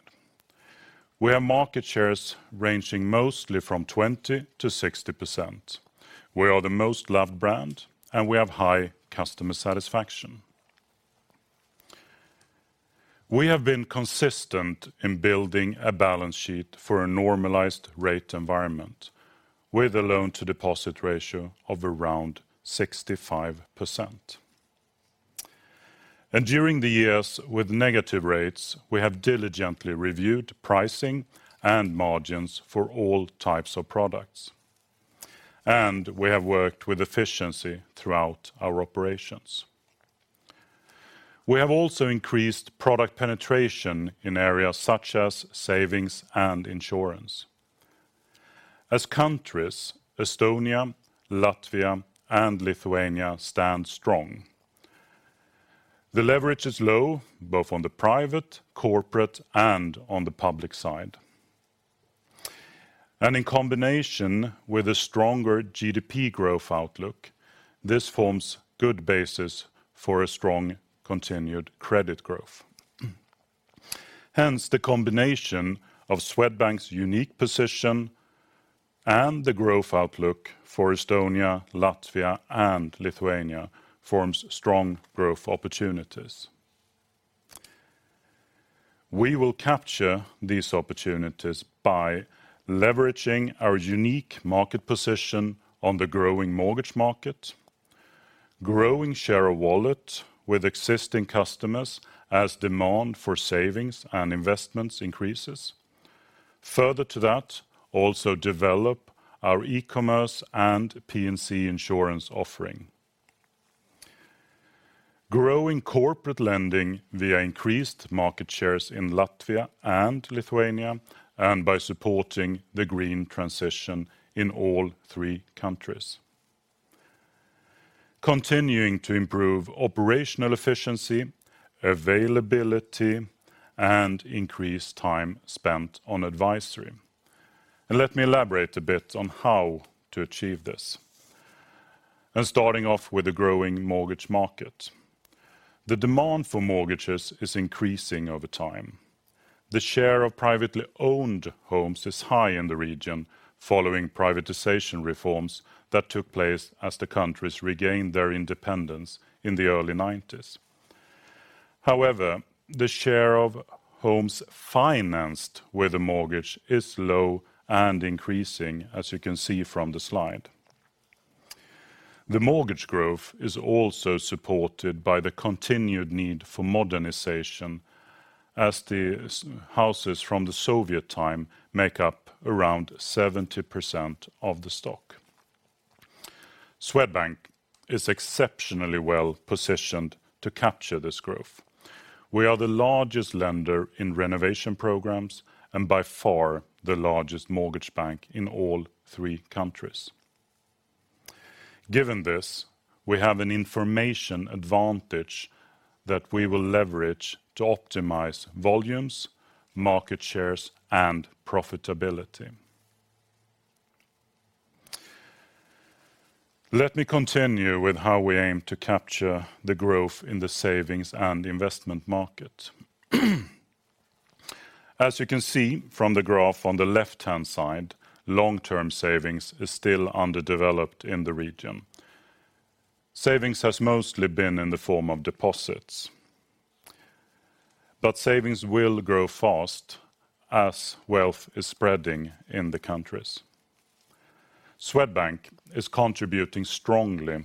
where market shares ranging mostly from 20%-60%. We are the most loved brand, and we have high customer satisfaction. We have been consistent in building a balance sheet for a normalized rate environment with a loan-to-deposit ratio of around 65%. During the years with negative rates, we have diligently reviewed pricing and margins for all types of products, and we have worked with efficiency throughout our operations. We have also increased product penetration in areas such as savings and insurance. As countries, Estonia, Latvia and Lithuania stand strong. The leverage is low, both on the private, corporate, and on the public side. In combination with a stronger GDP growth outlook, this forms good basis for a strong continued credit growth. Hence, the combination of Swedbank's unique position and the growth outlook for Estonia, Latvia and Lithuania forms strong growth opportunities. We will capture these opportunities by leveraging our unique market position on the growing mortgage market, growing share of wallet with existing customers as demand for savings and investments increases. Further to that, also develop our e-commerce and P&C insurance offering. Growing corporate lending via increased market shares in Latvia and Lithuania and by supporting the green transition in all three countries. Continuing to improve operational efficiency, availability, and increase time spent on advisory. Let me elaborate a bit on how to achieve this. Starting off with the growing mortgage market. The demand for mortgages is increasing over time. The share of privately owned homes is high in the region following privatization reforms that took place as the countries regained their independence in the early nineties. The share of homes financed with a mortgage is low and increasing, as you can see from the slide. The mortgage growth is also supported by the continued need for modernization as the houses from the Soviet time make up around 70% of the stock. Swedbank is exceptionally well-positioned to capture this growth. We are the largest lender in renovation programs and by far the largest mortgage bank in all three countries. Given this, we have an information advantage that we will leverage to optimize volumes, market shares, and profitability. Let me continue with how we aim to capture the growth in the savings and investment market. As you can see from the graph on the left-hand side, long-term savings is still underdeveloped in the region. Savings has mostly been in the form of deposits. Savings will grow fast as wealth is spreading in the countries. Swedbank is contributing strongly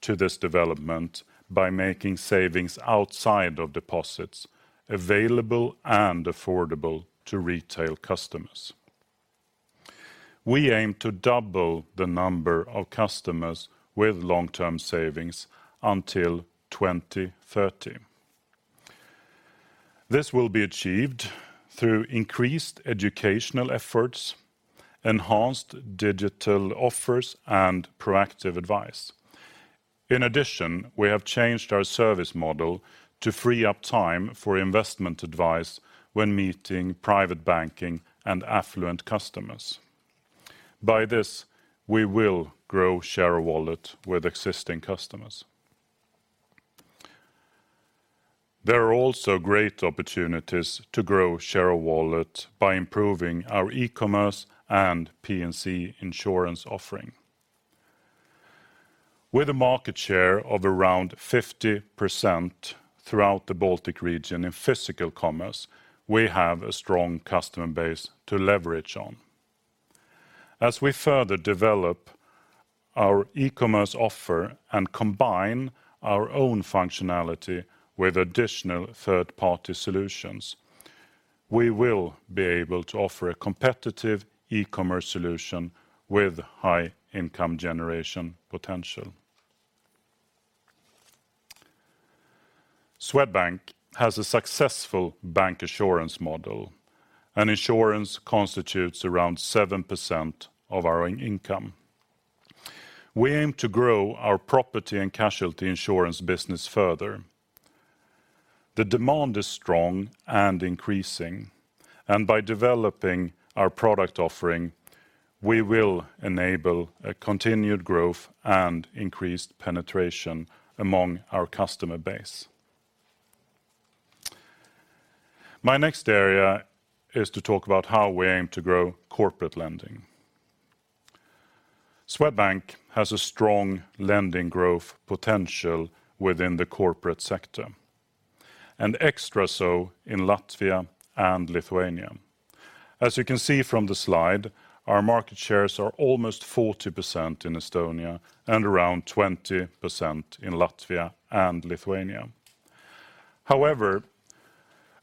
to this development by making savings outside of deposits available and affordable to retail customers. We aim to double the number of customers with long-term savings until 2030. This will be achieved through increased educational efforts, enhanced digital offers, and proactive advice. In addition, we have changed our service model to free up time for investment advice when meeting private banking and affluent customers. By this, we will grow share of wallet with existing customers. There are also great opportunities to grow share of wallet by improving our e-commerce and P&C insurance offering. With a market share of around 50% throughout the Baltic region in physical commerce, we have a strong customer base to leverage on. As we further develop our e-commerce offer and combine our own functionality with additional third-party solutions, we will be able to offer a competitive e-commerce solution with high income generation potential. Swedbank has a successful bank assurance model. Insurance constitutes around 7% of our income. We aim to grow our property and casualty insurance business further. The demand is strong and increasing. By developing our product offering, we will enable a continued growth and increased penetration among our customer base. My next area is to talk about how we aim to grow corporate lending. Swedbank has a strong lending growth potential within the corporate sector. Extra so in Latvia and Lithuania. As you can see from the slide, our market shares are almost 40% in Estonia and around 20% in Latvia and Lithuania. However,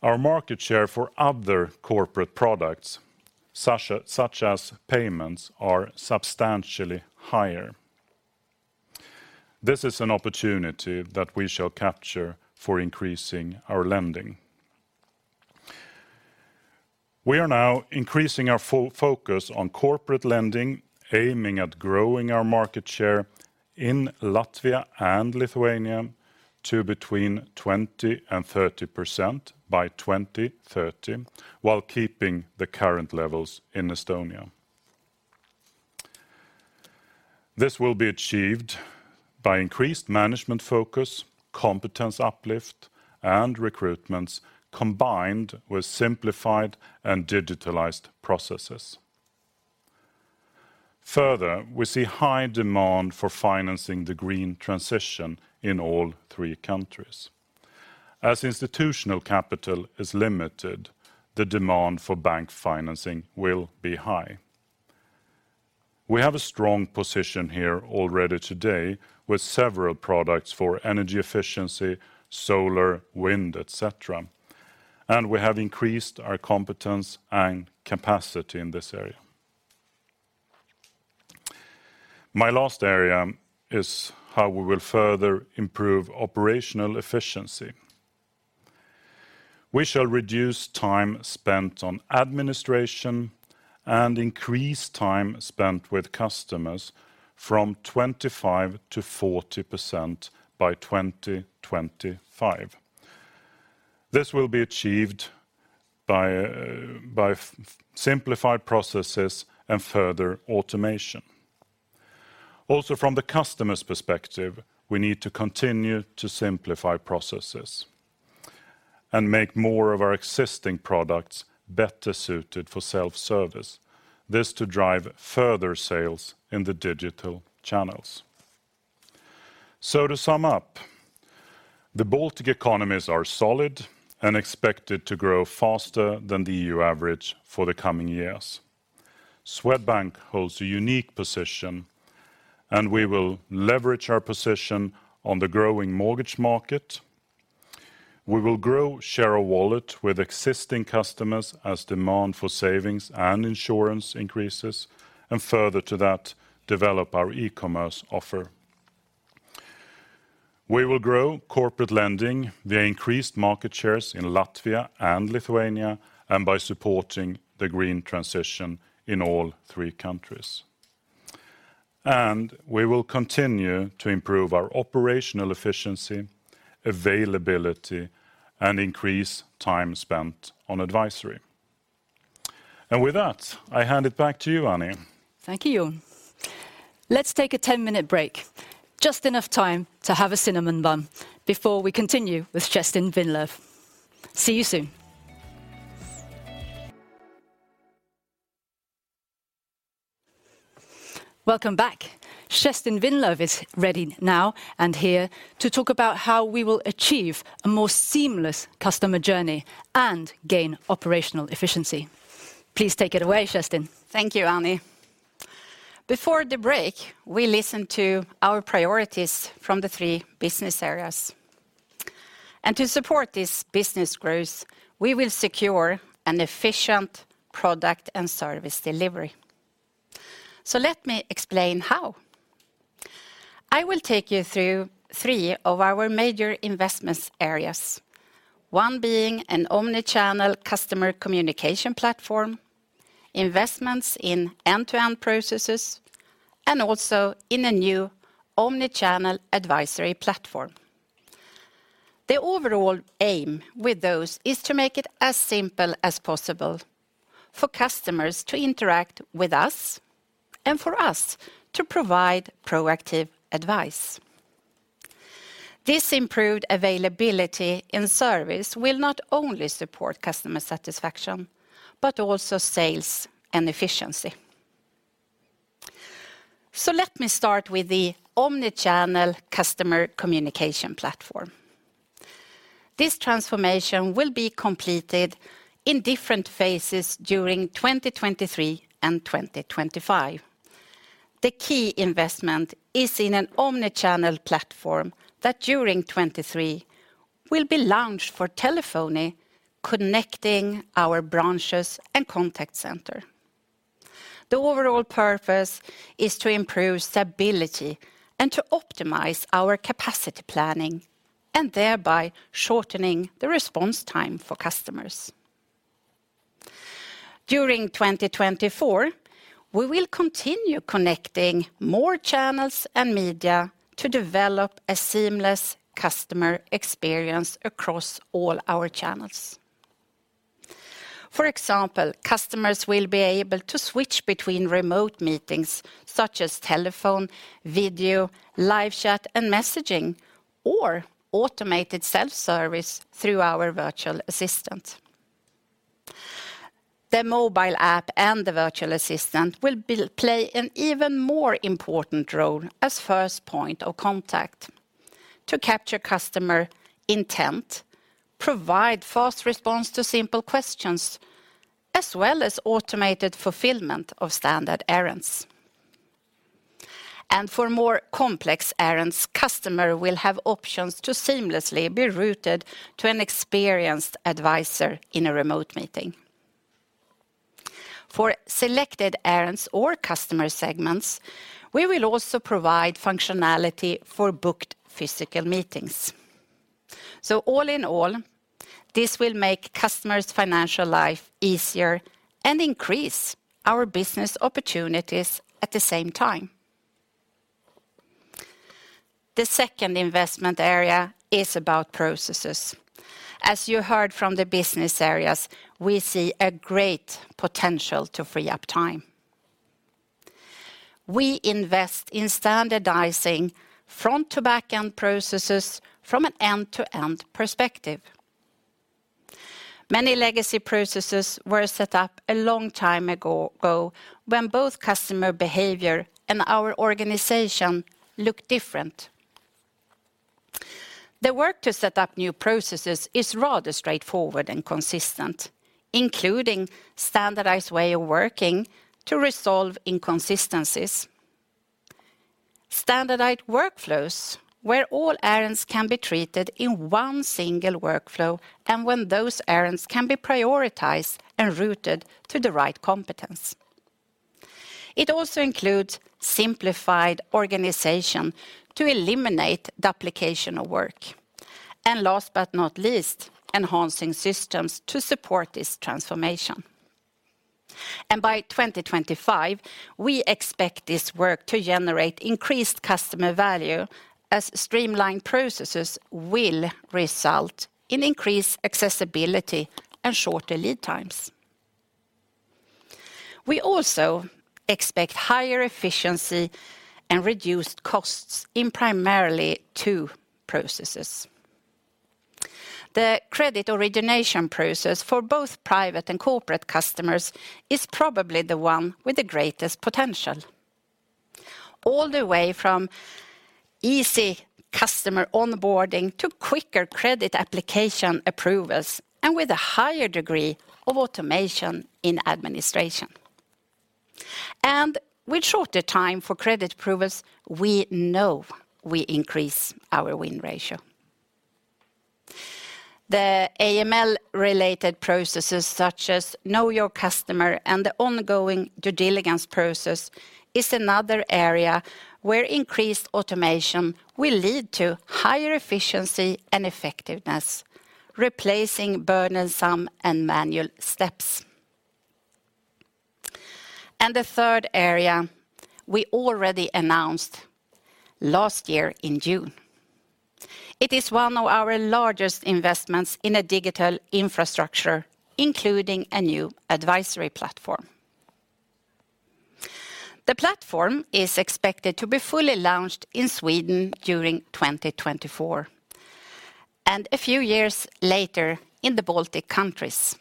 our market share for other corporate products, such as payments, are substantially higher. This is an opportunity that we shall capture for increasing our lending. We are now increasing our focus on corporate lending, aiming at growing our market share in Latvia and Lithuania to between 20% and 30% by 2030, while keeping the current levels in Estonia. This will be achieved by increased management focus, competence uplift, and recruitments combined with simplified and digitalized processes. Further, we see high demand for financing the green transition in all three countries. As institutional capital is limited, the demand for bank financing will be high. We have a strong position here already today with several products for energy efficiency, solar, wind, et cetera, and we have increased our competence and capacity in this area. My last area is how we will further improve operational efficiency. We shall reduce time spent on administration and increase time spent with customers from 25 to 40% by 2025. This will be achieved by simplified processes and further automation. Also, from the customer's perspective, we need to continue to simplify processes and make more of our existing products better suited for self-service, this to drive further sales in the digital channels. To sum up, the Baltic economies are solid and expected to grow faster than the EU average for the coming years. Swedbank holds a unique position, and we will leverage our position on the growing mortgage market. We will grow share of wallet with existing customers as demand for savings and insurance increases. Further to that, develop our e-commerce offer. We will grow corporate lending via increased market shares in Latvia and Lithuania, and by supporting the green transition in all three countries. We will continue to improve our operational efficiency, availability, and increase time spent on advisory. With that, I hand it back to you, Annie. Thank you, Jon. Let's take a 10-minute break, just enough time to have a cinnamon bun before we continue with Kerstin. See you soon. Welcome back. Kerstin Winlöf is ready now and here to talk about how we will achieve a more seamless customer journey and gain operational efficiency. Please take it away, Kerstin. Thank you, Ani. Before the break, we listened to our priorities from the 3 business areas. To support this business growth, we will secure an efficient product and service delivery. Let me explain how. I will take you through 3 of our major investments areas. One being an omnichannel customer communication platform, investments in end-to-end processes, and also in a new omnichannel advisory platform. The overall aim with those is to make it as simple as possible for customers to interact with us and for us to provide proactive advice. This improved availability in service will not only support customer satisfaction, but also sales and efficiency. Let me start with the omnichannel customer communication platform. This transformation will be completed in different phases during 2023 and 2025. The key investment is in an omnichannel platform that during 2023 will be launched for telephony, connecting our branches and contact center. The overall purpose is to improve stability and to optimize our capacity planning, and thereby shortening the response time for customers. During 2024, we will continue connecting more channels and media to develop a seamless customer experience across all our channels. For example, customers will be able to switch between remote meetings such as telephone, video, live chat, and messaging or automated self-service through our virtual assistant. The mobile app and the virtual assistant will play an even more important role as first point of contact to capture customer intent, provide fast response to simple questions, as well as automated fulfillment of standard errands. For more complex errands, customer will have options to seamlessly be routed to an experienced advisor in a remote meeting. For selected errands or customer segments, we will also provide functionality for booked physical meetings. All in all, this will make customers' financial life easier and increase our business opportunities at the same time. The second investment area is about processes. As you heard from the business areas, we see a great potential to free up time. We invest in standardizing front to back-end processes from an end-to-end perspective. Many legacy processes were set up a long time ago, when both customer behavior and our organization looked different. The work to set up new processes is rather straightforward and consistent, including standardized way of working to resolve inconsistencies. Standardized workflows, where all errands can be treated in one single workflow, and when those errands can be prioritized and routed to the right competence. It also includes simplified organization to eliminate duplication of work. Last but not least, enhancing systems to support this transformation. By 2025, we expect this work to generate increased customer value as streamlined processes will result in increased accessibility and shorter lead times. We also expect higher efficiency and reduced costs in primarily two processes. The credit origination process for both private and corporate customers is probably the one with the greatest potential. All the way from easy customer onboarding to quicker credit application approvals, and with a higher degree of automation in administration. With shorter time for credit approvals, we know we increase our win ratio. The A-related processes, such as Know Your Customer and the ongoing due diligence process, is another area where increased automation will lead to higher efficiency and effectiveness, replacing burdensome and manual steps. The third area we already announced last year in June. It is one of our largest investments in a digital infrastructure, including a new advisory platform. The platform is expected to be fully launched in Sweden during 2024, and a few years later in the Baltic countries.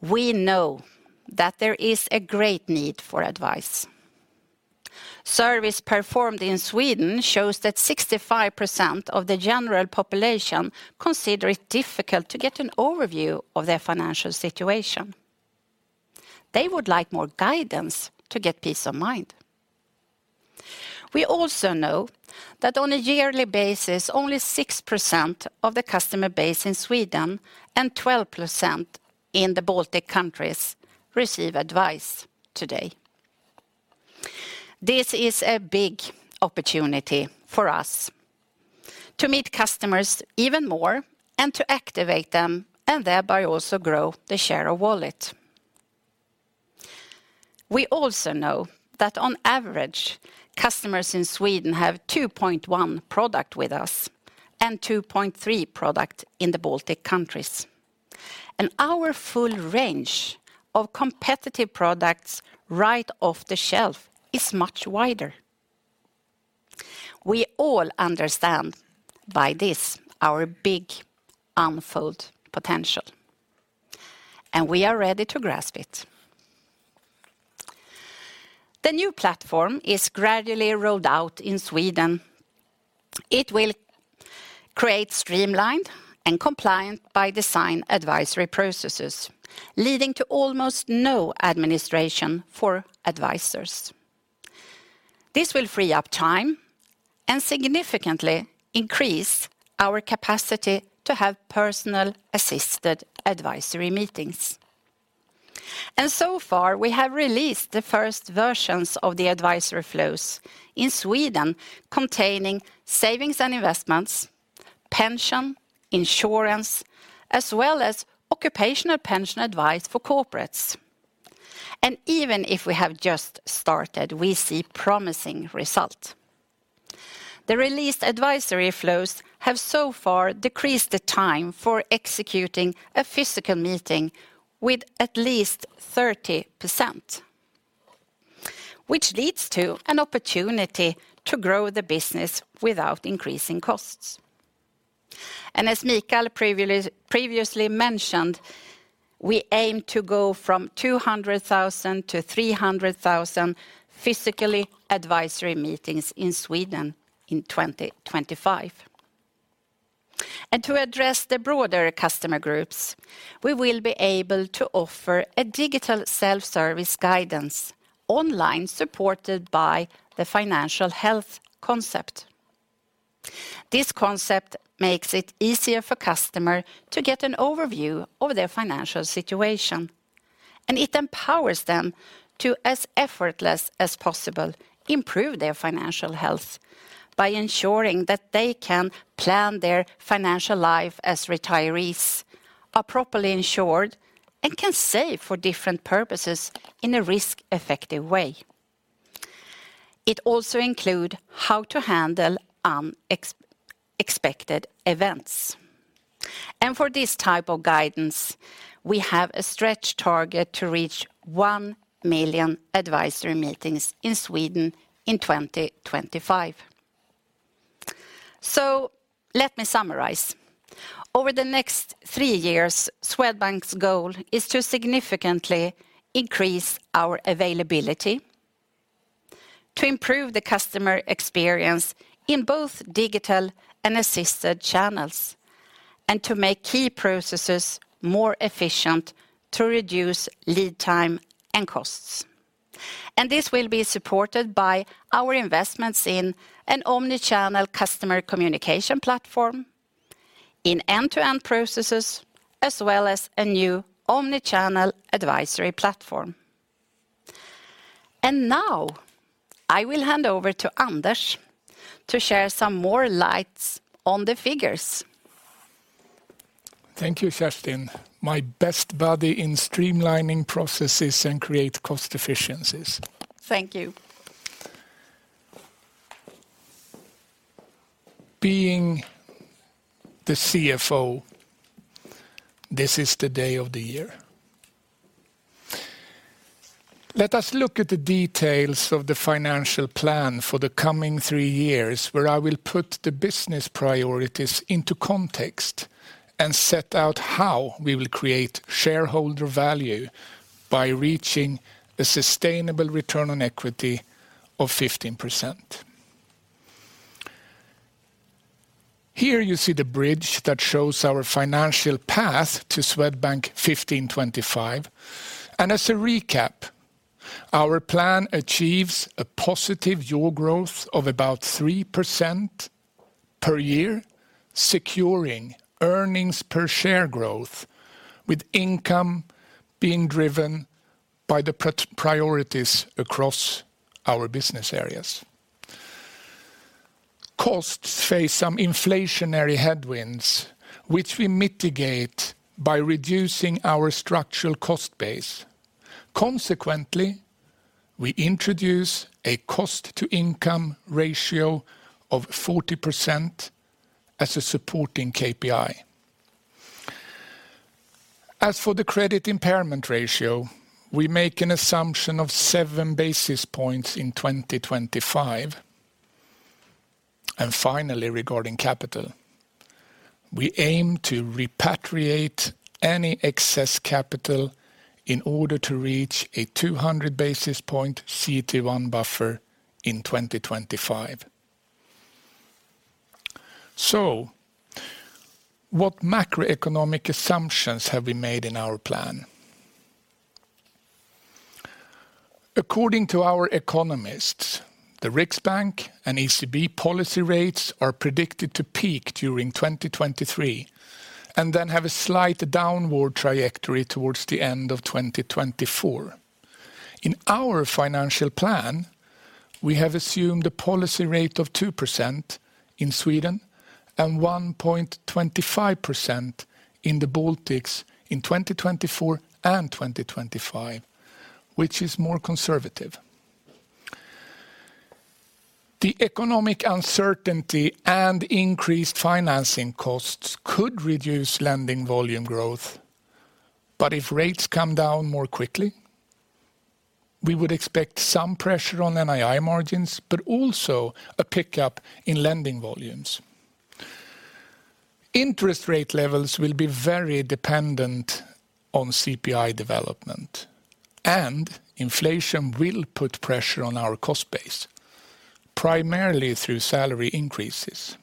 We know that there is a great need for advice. Surveys performed in Sweden shows that 65% of the general population consider it difficult to get an overview of their financial situation. They would like more guidance to get peace of mind. We also know that on a yearly basis, only 6% of the customer base in Sweden and 12% in the Baltic countries receive advice today. This is a big opportunity for us to meet customers even more and to activate them, and thereby also grow the share of wallet. We also know that on average, customers in Sweden have 2.1 product with us and 2.3 product in the Baltic countries. Our full range of competitive products right off the shelf is much wider. We all understand by this our big unfold potential, and we are ready to grasp it. The new platform is gradually rolled out in Sweden. It will create streamlined and compliant-by-design advisory processes, leading to almost no administration for advisors. This will free up time and significantly increase our capacity to have personal assisted advisory meetings. So far, we have released the first versions of the advisory flows in Sweden containing savings and investments, pension, insurance, as well as occupational pension advice for corporates. Even if we have just started, we see promising result. The released advisory flows have so far decreased the time for executing a physical meeting with at least 30%, which leads to an opportunity to grow the business without increasing costs. As Mikael previously mentioned, we aim to go from 200,000 to 300,000 physically advisory meetings in Sweden in 2025. To address the broader customer groups, we will be able to offer a digital self-service guidance online supported by the financial health concept. This concept makes it easier for customer to get an overview of their financial situation, and it empowers them to, as effortless as possible, improve their financial health by ensuring that they can plan their financial life as retirees, are properly insured, and can save for different purposes in a risk-effective way. It also include how to handle unexpected events. For this type of guidance, we have a stretch target to reach 1 million advisory meetings in Sweden in 2025. Let me summarize. Over the next 3 years, Swedbank's goal is to significantly increase our availability to improve the customer experience in both digital and assisted channels and to make key processes more efficient to reduce lead time and costs. This will be supported by our investments in an omnichannel customer communication platform in end-to-end processes, as well as a new omnichannel advisory platform. Now, I will hand over to Anders to share some more lights on the figures. Thank you, Kerstin, my best buddy in streamlining processes and create cost efficiencies. Thank you. Being the CFO, this is the day of the year. Let us look at the details of the financial plan for the coming 3 years, where I will put the business priorities into context and set out how we will create shareholder value by reaching a sustainable return on equity of 15%. Here, you see the bridge that shows our financial path to Swedbank 15/25. As a recap, our plan achieves a positive year growth of about 3% per year, securing earnings per share growth, with income being driven by the priorities across our business areas. Costs face some inflationary headwinds, which we mitigate by reducing our structural cost base. Consequently, we introduce a cost-to-income ratio of 40% as a supporting KPI. As for the credit impairment ratio, we make an assumption of 7 basis points in 2025. Finally, regarding capital, we aim to repatriate any excess capital in order to reach a 200 basis point CET1 buffer in 2025. What macroeconomic assumptions have we made in our plan? According to our economists, the Riksbank and ECB policy rates are predicted to peak during 2023 and then have a slight downward trajectory towards the end of 2024. In our financial plan, we have assumed a policy rate of 2% in Sweden and 1.25% in the Baltics in 2024 and 2025, which is more conservative. The economic uncertainty and increased financing costs could reduce lending volume growth. If rates come down more quickly, we would expect some pressure on NII margins, but also a pickup in lending volumes. Interest rate levels will be very dependent on CPI development, and inflation will put pressure on our cost base, primarily through salary increases.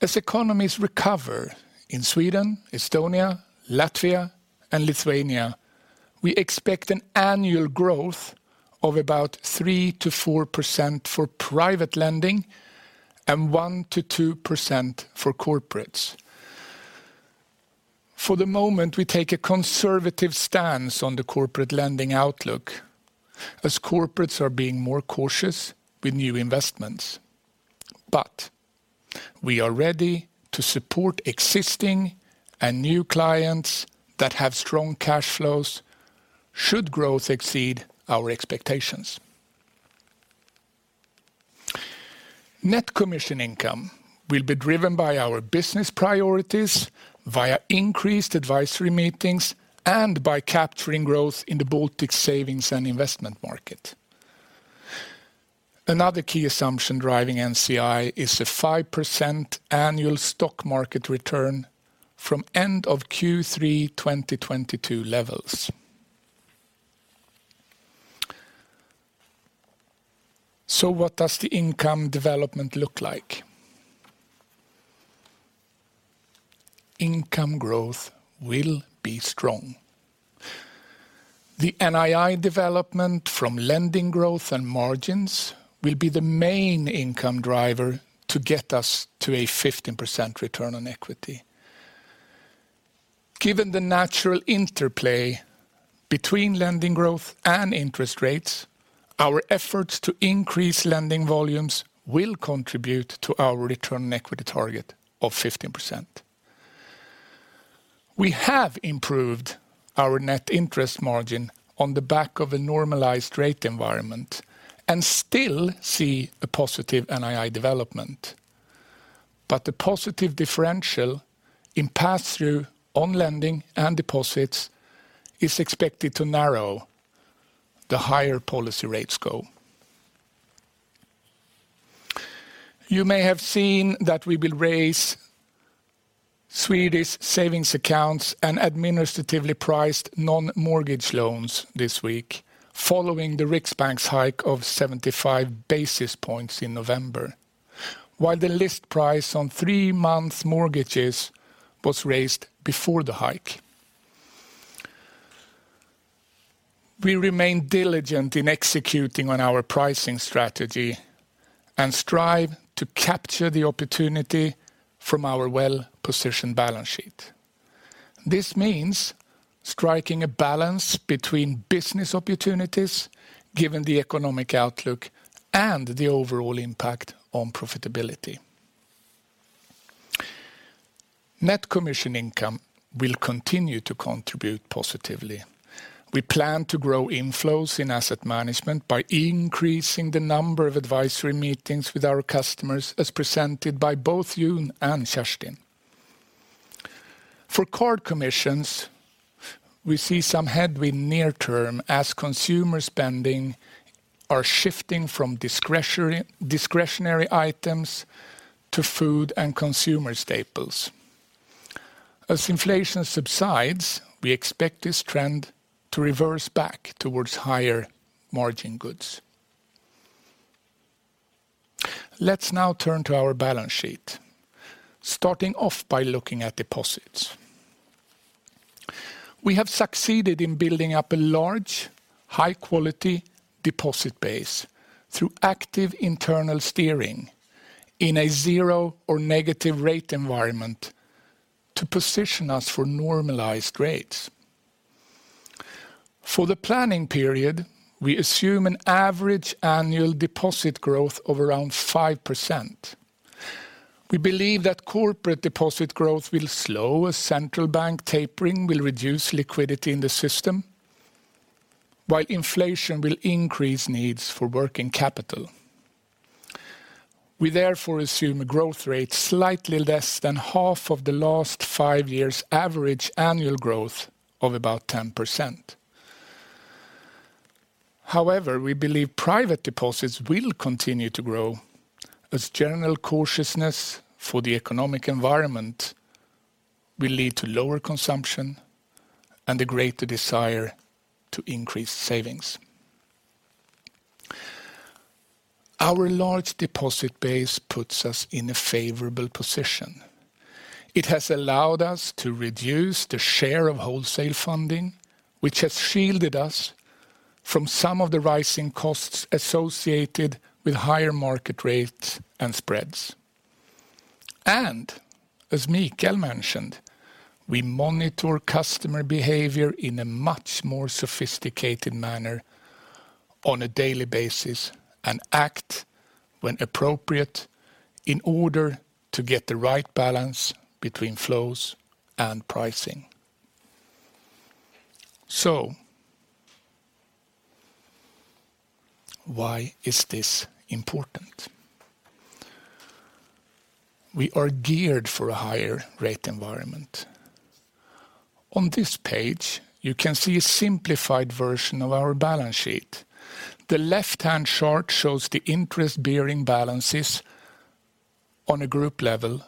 As economies recover in Sweden, Estonia, Latvia, and Lithuania. We expect an annual growth of about 3%-4% for private lending and 1%-2% for corporates. For the moment, we take a conservative stance on the corporate lending outlook as corporates are being more cautious with new investments. We are ready to support existing and new clients that have strong cash flows should growth exceed our expectations. Net commission income will be driven by our business priorities via increased advisory meetings and by capturing growth in the Baltic savings and investment market. Another key assumption driving NCI is a 5% annual stock market return from end of Q3 2022 levels. What does the income development look like? Income growth will be strong. The NII development from lending growth and margins will be the main income driver to get us to a 15% return on equity. Given the natural interplay between lending growth and interest rates, our efforts to increase lending volumes will contribute to our return equity target of 15%. We have improved our net interest margin on the back of a normalized rate environment and still see a positive NII development. The positive differential in pass-through on lending and deposits is expected to narrow the higher policy rates go. You may have seen that we will raise Swedish savings accounts and administratively priced non-mortgage loans this week following the Riksbank's hike of 75 basis points in November, while the list price on three-month mortgages was raised before the hike. We remain diligent in executing on our pricing strategy and strive to capture the opportunity from our well-positioned balance sheet. This means striking a balance between business opportunities given the economic outlook and the overall impact on profitability. Net commission income will continue to contribute positively. We plan to grow inflows in asset management by increasing the number of advisory meetings with our customers as presented by both Yun and Kerstin. For card commissions, we see some headwind near term as consumer spending are shifting from discretionary items to food and consumer staples. As inflation subsides, we expect this trend to reverse back towards higher margin goods. Let's now turn to our balance sheet, starting off by looking at deposits. We have succeeded in building up a large, high-quality deposit base through active internal steering in a zero or negative rate environment to position us for normalized rates. For the planning period, we assume an average annual deposit growth of around 5%. We believe that corporate deposit growth will slow as central bank tapering will reduce liquidity in the system, while inflation will increase needs for working capital. We therefore assume a growth rate slightly less than half of the last 5 years' average annual growth of about 10%. We believe private deposits will continue to grow as general cautiousness for the economic environment will lead to lower consumption and a greater desire to increase savings. Our large deposit base puts us in a favorable position. It has allowed us to reduce the share of wholesale funding, which has shielded us from some of the rising costs associated with higher market rates and spreads. As Mikael mentioned, we monitor customer behavior in a much more sophisticated manner on a daily basis and act when appropriate in order to get the right balance between flows and pricing. Why is this important? We are geared for a higher rate environment. On this page, you can see a simplified version of our balance sheet. The left-hand chart shows the interest-bearing balances on a group level,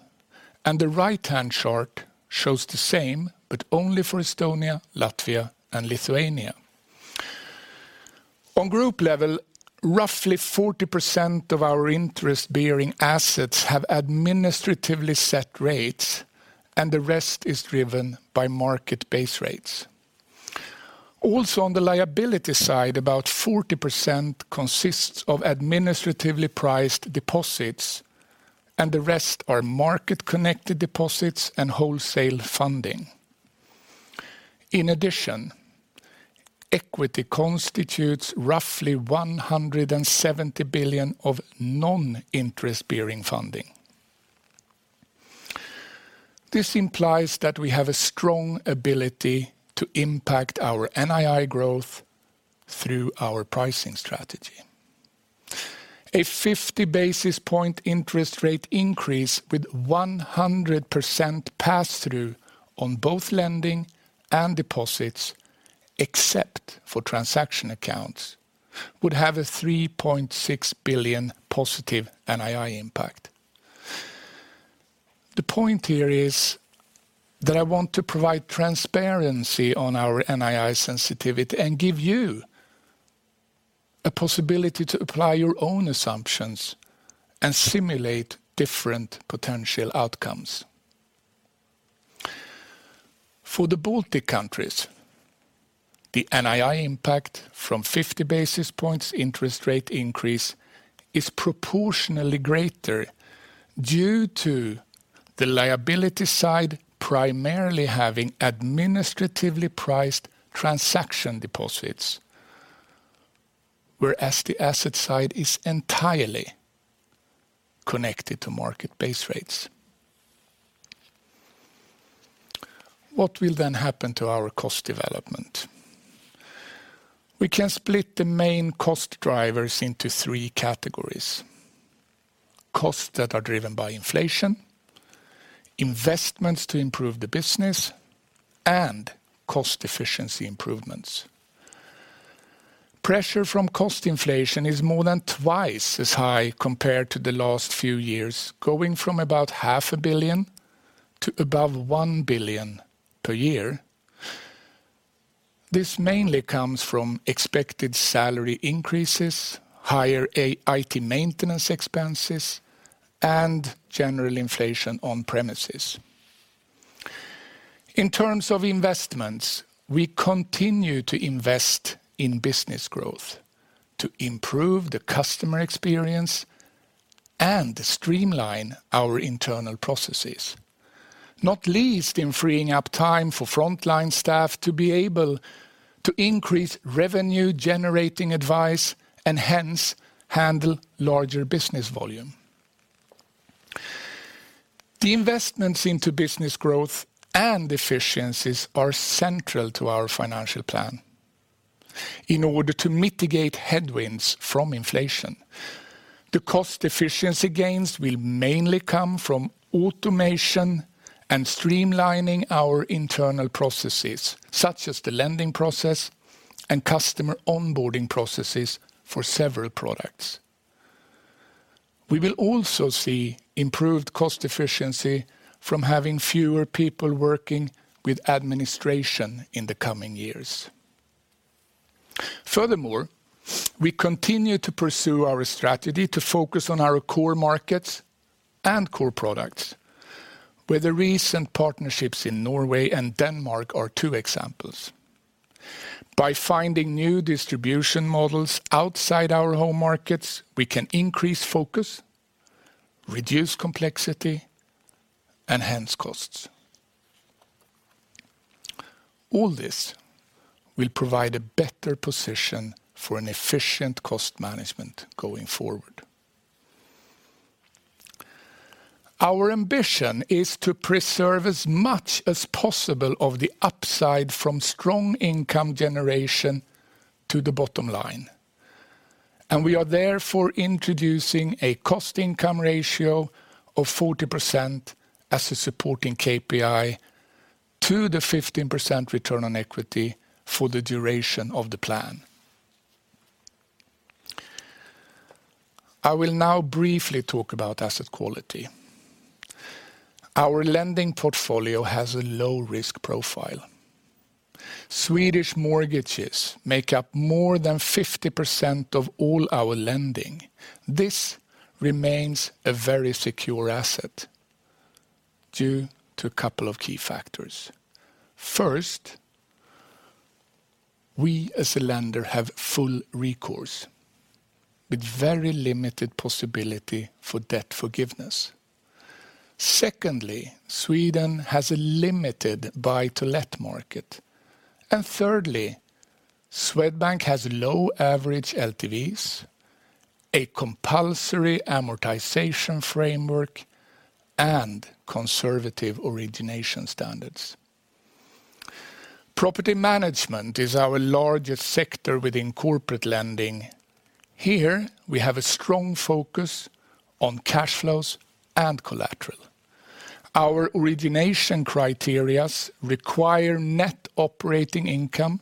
and the right-hand chart shows the same but only for Estonia, Latvia, and Lithuania. On group level, roughly 40% of our interest-bearing assets have administratively set rates, and the rest is driven by market-based rates. On the liability side, about 40% consists of administratively priced deposits, and the rest are market-connected deposits and wholesale funding. In addition, equity constitutes roughly 170 billion of non-interest bearing funding. This implies that we have a strong ability to impact our NII growth through our pricing strategy. A 50 basis point interest rate increase with 100% pass-through on both lending and deposits, except for transaction accounts, would have a 3.6 billion positive NII impact. The point here is that I want to provide transparency on our NII sensitivity and give you a possibility to apply your own assumptions and simulate different potential outcomes. For the Baltic countries, the NII impact from 50 basis points interest rate increase is proportionally greater due to the liability side primarily having administratively priced transaction deposits, whereas the asset side is entirely connected to market-based rates. What will happen to our cost development? We can split the main cost drivers into three categories. Costs that are driven by inflation, investments to improve the business, and cost efficiency improvements. Pressure from cost inflation is more than twice as high compared to the last few years, going from about SEK half a billion to above 1 billion per year. This mainly comes from expected salary increases, higher A-IT maintenance expenses, and general inflation on premises. In terms of investments, we continue to invest in business growth to improve the customer experience and streamline our internal processes, not least in freeing up time for frontline staff to be able to increase revenue generating advice and hence handle larger business volume. The investments into business growth and efficiencies are central to our financial plan in order to mitigate headwinds from inflation. The cost efficiency gains will mainly come from automation and streamlining our internal processes, such as the lending process and customer onboarding processes for several products. We will also see improved cost efficiency from having fewer people working with administration in the coming years. We continue to pursue our strategy to focus on our core markets and core products, where the recent partnerships in Norway and Denmark are 2 examples. By finding new distribution models outside our home markets, we can increase focus, reduce complexity, and hence costs. All this will provide a better position for an efficient cost management going forward. Our ambition is to preserve as much as possible of the upside from strong income generation to the bottom line. We are therefore introducing a cost-to-income ratio of 40% as a supporting KPI to the 15% return on equity for the duration of the plan. I will now briefly talk about asset quality. Our lending portfolio has a low risk profile. Swedish mortgages make up more than 50% of all our lending. This remains a very secure asset due to a couple of key factors. First, we as a lender have full recourse with very limited possibility for debt forgiveness. Secondly, Sweden has a limited buy to let market. Thirdly, Swedbank has low average LTVs, a compulsory amortization framework, and conservative origination standards. Property management is our largest sector within corporate lending. Here we have a strong focus on cash flows and collateral. Our origination criterias require net operating income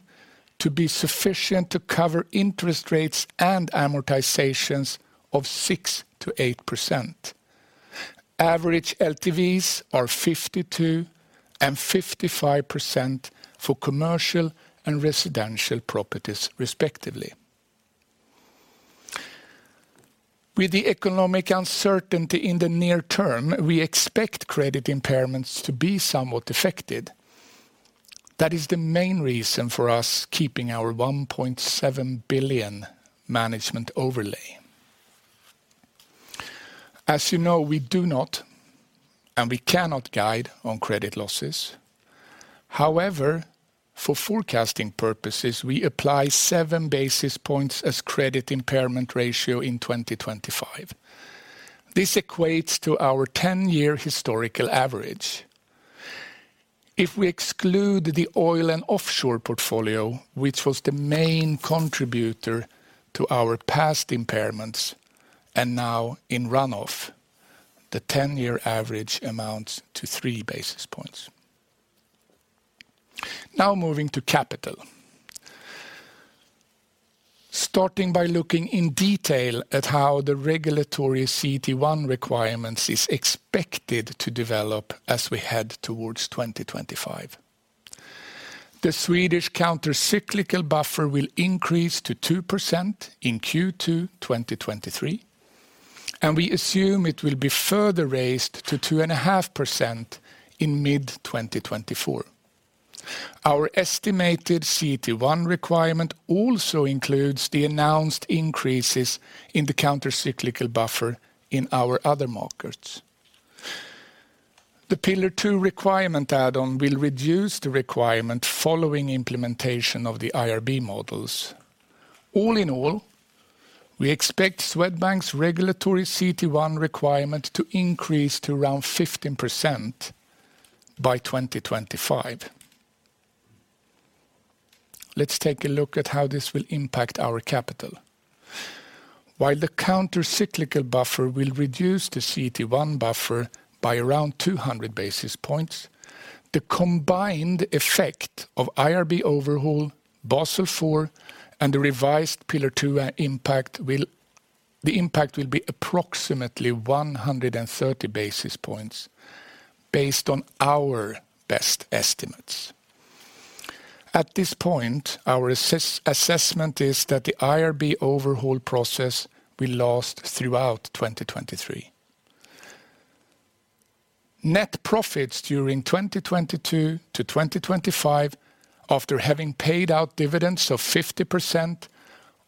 to be sufficient to cover interest rates and amortizations of 6%-8%. Average LTVs are 52% and 55% for commercial and residential properties respectively. With the economic uncertainty in the near term, we expect credit impairments to be somewhat affected. That is the main reason for us keeping our 1.7 billion management overlay. As you know, we do not and we cannot guide on credit losses. For forecasting purposes, we apply 7 basis points as credit impairment ratio in 2025. This equates to our 10-year historical average. If we exclude the oil and offshore portfolio, which was the main contributor to our past impairments and now in run off, the 10-year average amounts to 3 basis points. Moving to capital. Starting by looking in detail at how the regulatory CET1 requirements is expected to develop as we head towards 2025. The Swedish countercyclical buffer will increase to 2% in Q2 2023, and we assume it will be further raised to 2.5% in mid 2024. Our estimated CET1 requirement also includes the announced increases in the countercyclical buffer in our other markets. The Pillar two requirement add on will reduce the requirement following implementation of the IRB models. All in all, we expect Swedbank's regulatory CET1 requirement to increase to around 15% by 2025. Let's take a look at how this will impact our capital. While the countercyclical buffer will reduce the CET1 buffer by around 200 basis points, the combined effect of IRB overhaul, Basel IV, and the revised Pillar two impact will be approximately 130 basis points based on our best estimates. At this point, our assessment is that the IRB overhaul process will last throughout 2023. Net profits during 2022 to 2025 after having paid out dividends of 50%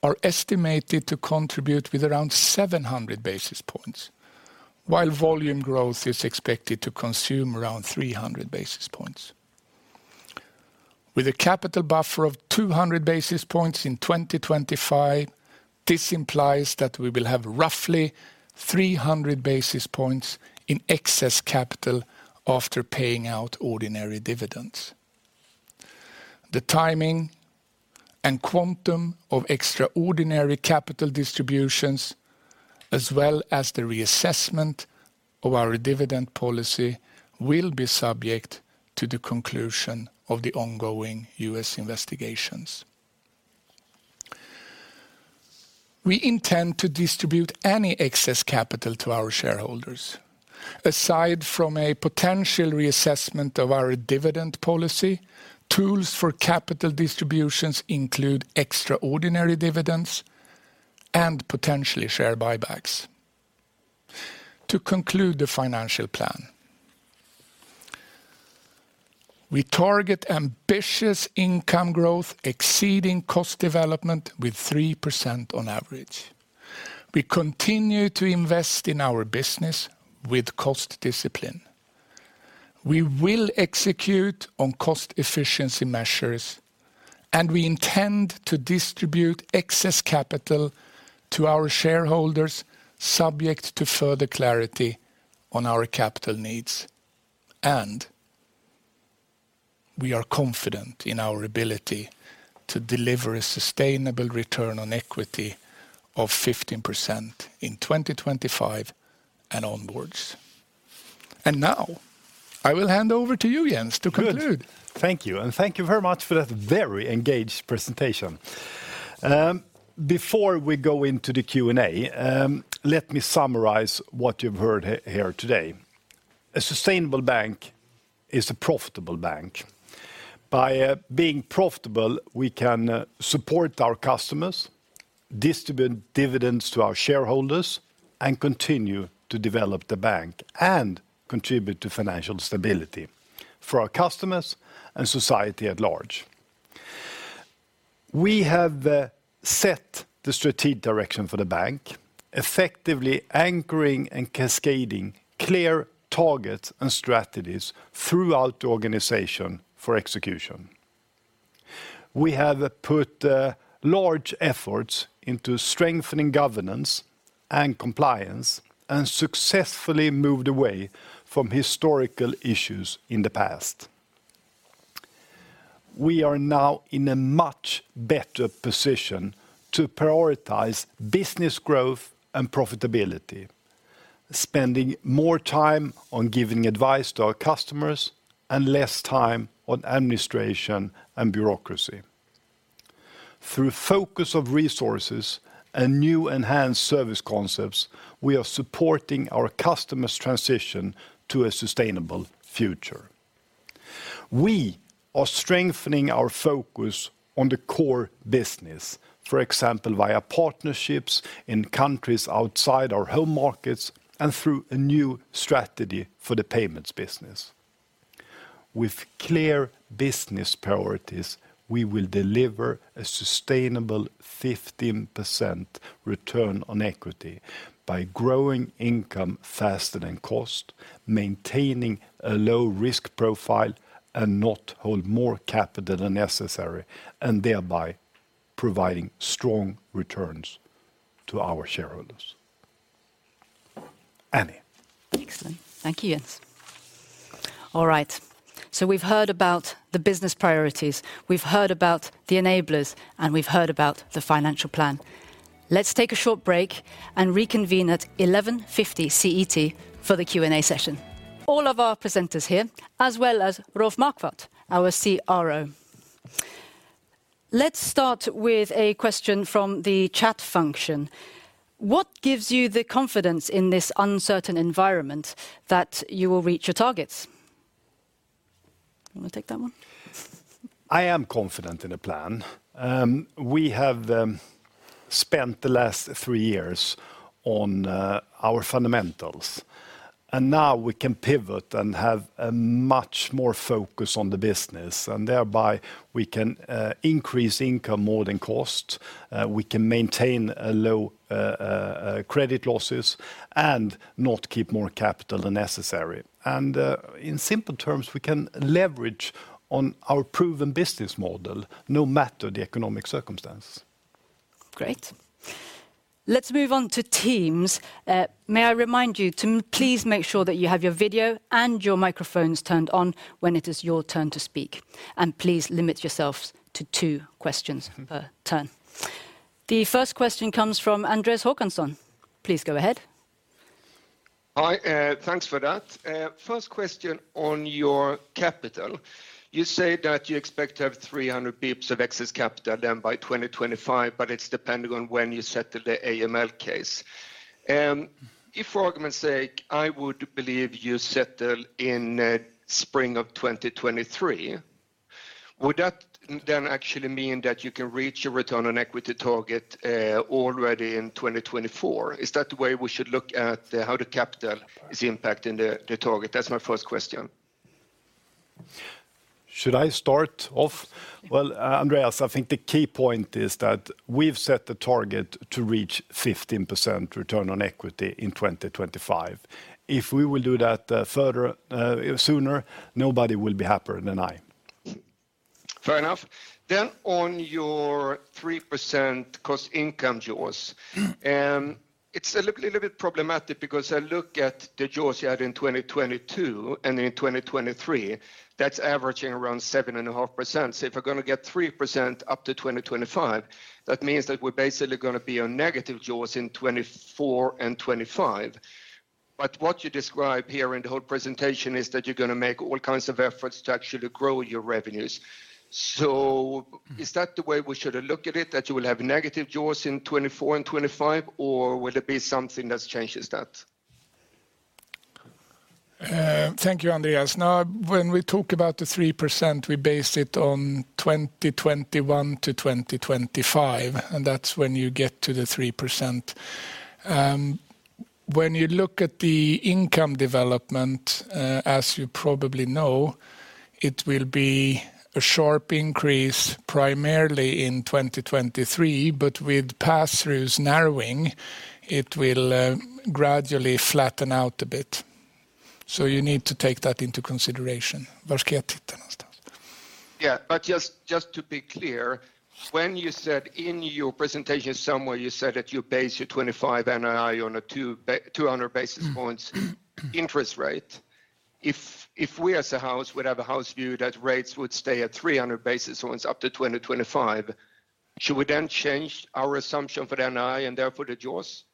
are estimated to contribute with around 700 basis points, while volume growth is expected to consume around 300 basis points. With a capital buffer of 200 basis points in 2025, this implies that we will have roughly 300 basis points in excess capital after paying out ordinary dividends. The timing and quantum of extraordinary capital distributions, as well as the reassessment of our dividend policy, will be subject to the conclusion of the ongoing U.S. investigations. We intend to distribute any excess capital to our shareholders. Aside from a potential reassessment of our dividend policy, tools for capital distributions include extraordinary dividends and potentially share buybacks. To conclude the financial plan, we target ambitious income growth exceeding cost development with 3% on average. We continue to invest in our business with cost discipline. We will execute on cost efficiency measures, and we intend to distribute excess capital to our shareholders subject to further clarity on our capital needs. We are confident in our ability to deliver a sustainable return on equity of 15% in 2025 and onwards. Now I will hand over to you, Jens, to conclude. Good. Thank you, and thank you very much for that very engaged presentation. Before we go into the Q&A, let me summarize what you've heard hear today. A sustainable bank is a profitable bank. By being profitable, we can support our customers, distribute dividends to our shareholders, and continue to develop the bank and contribute to financial stability for our customers and society at large. We have set the strategic direction for the bank, effectively anchoring and cascading clear targets and strategies throughout the organization for execution. We have put large efforts into strengthening governance and compliance and successfully moved away from historical issues in the past. We are now in a much better position to prioritize business growth and profitability, spending more time on giving advice to our customers and less time on administration and bureaucracy. Through focus of resources and new enhanced service concepts, we are supporting our customers' transition to a sustainable future. We are strengthening our focus on the core business, for example, via partnerships in countries outside our home markets and through a new strategy for the payments business. With clear business priorities, we will deliver a sustainable 15% return on equity by growing income faster than cost, maintaining a low risk profile, and not hold more capital than necessary, and thereby providing strong returns to our shareholders. Annie. Excellent. Thank you, Jens. All right. We've heard about the business priorities, we've heard about the enablers, and we've heard about the financial plan. Let's take a short break and reconvene at 11:50 CET for the Q&A session. All of our presenters here, as well as Rolf Marquardt, our CRO. Let's start with a question from the chat function. What gives you the confidence in this uncertain environment that you will reach your targets? You wanna take that one? I am confident in the plan. We have spent the last three years on our fundamentals, and now we can pivot and have a much more focus on the business. Thereby, we can increase income more than cost. We can maintain low credit losses and not keep more capital than necessary. In simple terms, we can leverage on our proven business model no matter the economic circumstance. Great. Let's move on to teams. May I remind you to please make sure that you have your video and your microphones turned on when it is your turn to speak, Please limit yourselves to two questions per turn. The first question comes from Andreas Håkansson. Please go ahead. Hi, thanks for that. First question on your capital. You say that you expect to have 300 basis points of excess capital then by 2025, it's depending on when you settle the AML case. If for argument's sake, I would believe you settle in spring of 2023, would that then actually mean that you can reach your return on equity target already in 2024? Is that the way we should look at how the capital is impacting the target? That's my first question. Should I start off? Well, Andreas, I think the key point is that we've set the target to reach 15% return on equity in 2025. If we will do that, further, sooner, nobody will be happier than I. Fair enough. On your 3% cost income jaws. It's a little bit problematic because I look at the jaws you had in 2022 and in 2023, that's averaging around 7.5%. If we're gonna get 3% up to 2025, that means that we're basically gonna be on negative jaws in 2024 and 2025. What you describe here in the whole presentation is that you're gonna make all kinds of efforts to actually grow your revenues. Is that the way we should look at it, that you will have negative jaws in 2024 and 2025, or will it be something that changes that? Thank you, Andreas. When we talk about the 3%, we base it on 2021 to 2025, and that's when you get to the 3%. When you look at the income development, as you probably know, it will be a sharp increase primarily in 2023, but with pass-throughs narrowing, it will gradually flatten out a bit. You need to take that into consideration. Yeah. Just to be clear, when you said in your presentation somewhere, you said that you base your 25 NII on a 200 basis points interest rate. If we as a house would have a house view that rates would stay at 300 basis points up to 2025, should we then change our assumption for NII and therefore adjust?